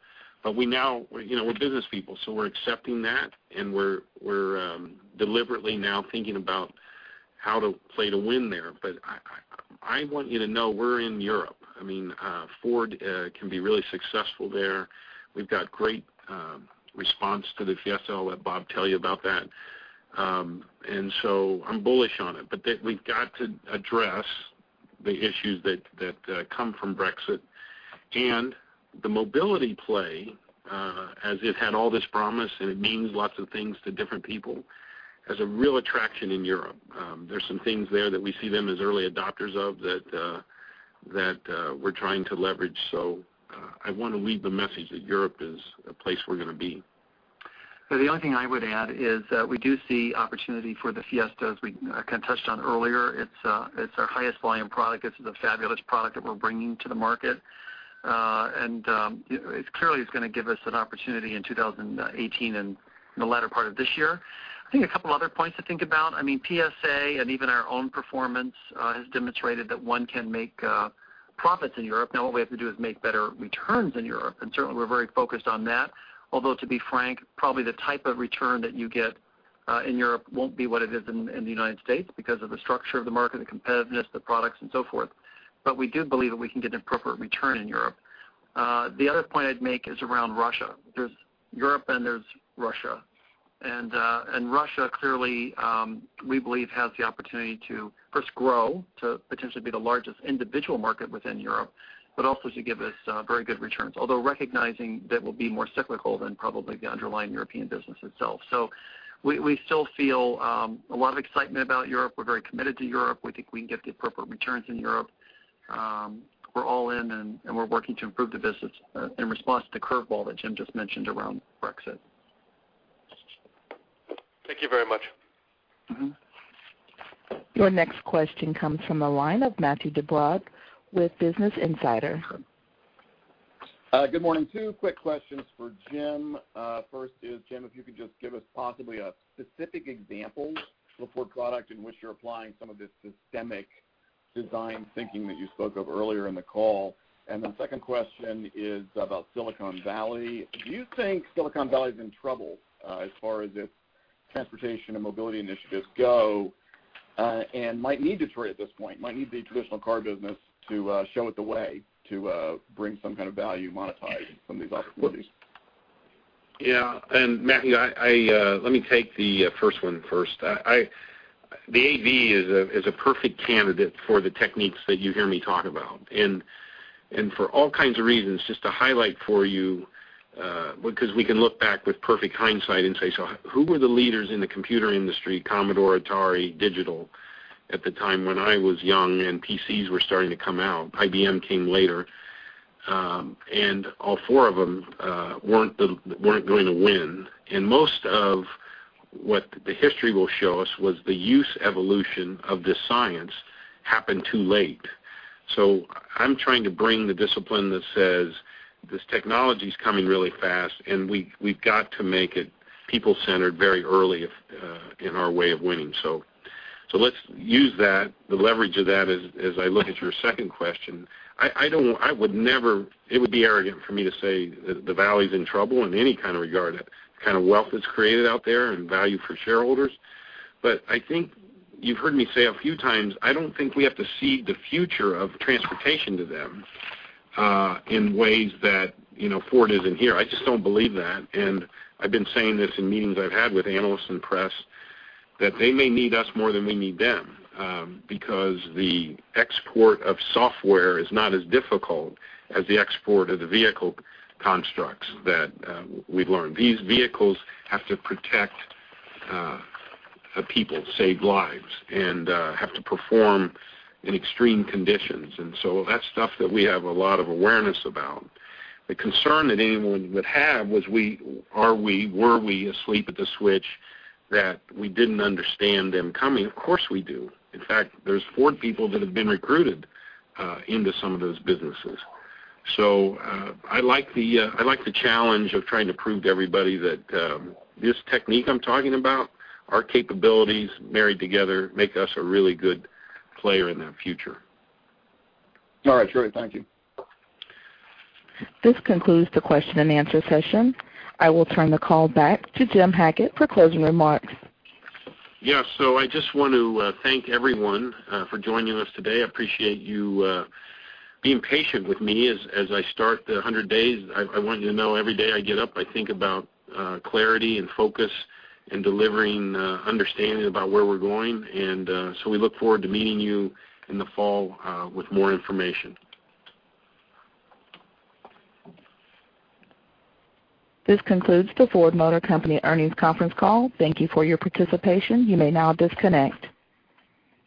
We're business people, so we're accepting that, and we're deliberately now thinking about how to play to win there. I want you to know we're in Europe. Ford can be really successful there. We've got great response to the Fiesta. I'll let Bob tell you about that. I'm bullish on it. We've got to address the issues that come from Brexit and the mobility play, as it had all this promise and it means lots of things to different people, has a real attraction in Europe. There's some things there that we see them as early adopters of that we're trying to leverage. I want to leave the message that Europe is a place we're going to be. The only thing I would add is that we do see opportunity for the Fiesta, as we kind of touched on earlier. It's our highest volume product. This is a fabulous product that we're bringing to the market. It clearly is going to give us an opportunity in 2018 and the latter part of this year. I think a couple other points to think about. PSA and even our own performance has demonstrated that one can make profits in Europe. What we have to do is make better returns in Europe, and certainly we're very focused on that, although to be frank, probably the type of return that you get in Europe won't be what it is in the United States because of the structure of the market, the competitiveness, the products and so forth. We do believe that we can get an appropriate return in Europe. The other point I'd make is around Russia. There's Europe and there's Russia. Russia clearly, we believe, has the opportunity to, first grow to potentially be the largest individual market within Europe, but also to give us very good returns, although recognizing that will be more cyclical than probably the underlying European business itself. We still feel a lot of excitement about Europe. We're very committed to Europe. We think we can get the appropriate returns in Europe. We're all in and we're working to improve the business in response to the curveball that Jim just mentioned around Brexit. Thank you very much. Your next question comes from the line of Matthew DeBord with Business Insider. Good morning. Two quick questions for Jim. First is, Jim, if you could just give us possibly a specific example of a Ford product in which you're applying some of this systemic design thinking that you spoke of earlier in the call. The second question is about Silicon Valley. Do you think Silicon Valley's in trouble as far as its transportation and mobility initiatives go and might need Detroit at this point, might need the traditional car business to show it the way to bring some kind of value, monetize some of these opportunities? Yeah. Matthew, let me take the first one first. The AV is a perfect candidate for the techniques that you hear me talk about and for all kinds of reasons, just to highlight for you, because we can look back with perfect hindsight and say, so who were the leaders in the computer industry, Commodore, Atari, Digital, at the time when I was young and PCs were starting to come out? IBM came later. All four of them weren't going to win. Most of what the history will show us was the use evolution of this science happened too late. I'm trying to bring the discipline that says this technology's coming really fast and we've got to make it people-centered very early in our way of winning. Let's use that, the leverage of that as I look at your second question. It would be arrogant for me to say that the Valley's in trouble in any kind of regard, the kind of wealth that's created out there and value for shareholders. I think you've heard me say a few times, I don't think we have to cede the future of transportation to them in ways that Ford isn't here. I just don't believe that and I've been saying this in meetings I've had with analysts and press, that they may need us more than we need them. The export of software is not as difficult as the export of the vehicle constructs that we've learned. These vehicles have to protect people, save lives, and have to perform in extreme conditions. That's stuff that we have a lot of awareness about. The concern that anyone would have was were we asleep at the switch that we didn't understand them coming? Of course, we do. In fact, there's Ford people that have been recruited into some of those businesses. I like the challenge of trying to prove to everybody that this technique I'm talking about, our capabilities married together make us a really good player in that future. All right, great. Thank you. This concludes the question and answer session. I will turn the call back to Jim Hackett for closing remarks. Yeah, I just want to thank everyone for joining us today. I appreciate you being patient with me as I start the 100 days. I want you to know every day I get up, I think about clarity and focus and delivering understanding about where we're going. We look forward to meeting you in the fall with more information. This concludes the Ford Motor Company earnings conference call. Thank you for your participation. You may now disconnect.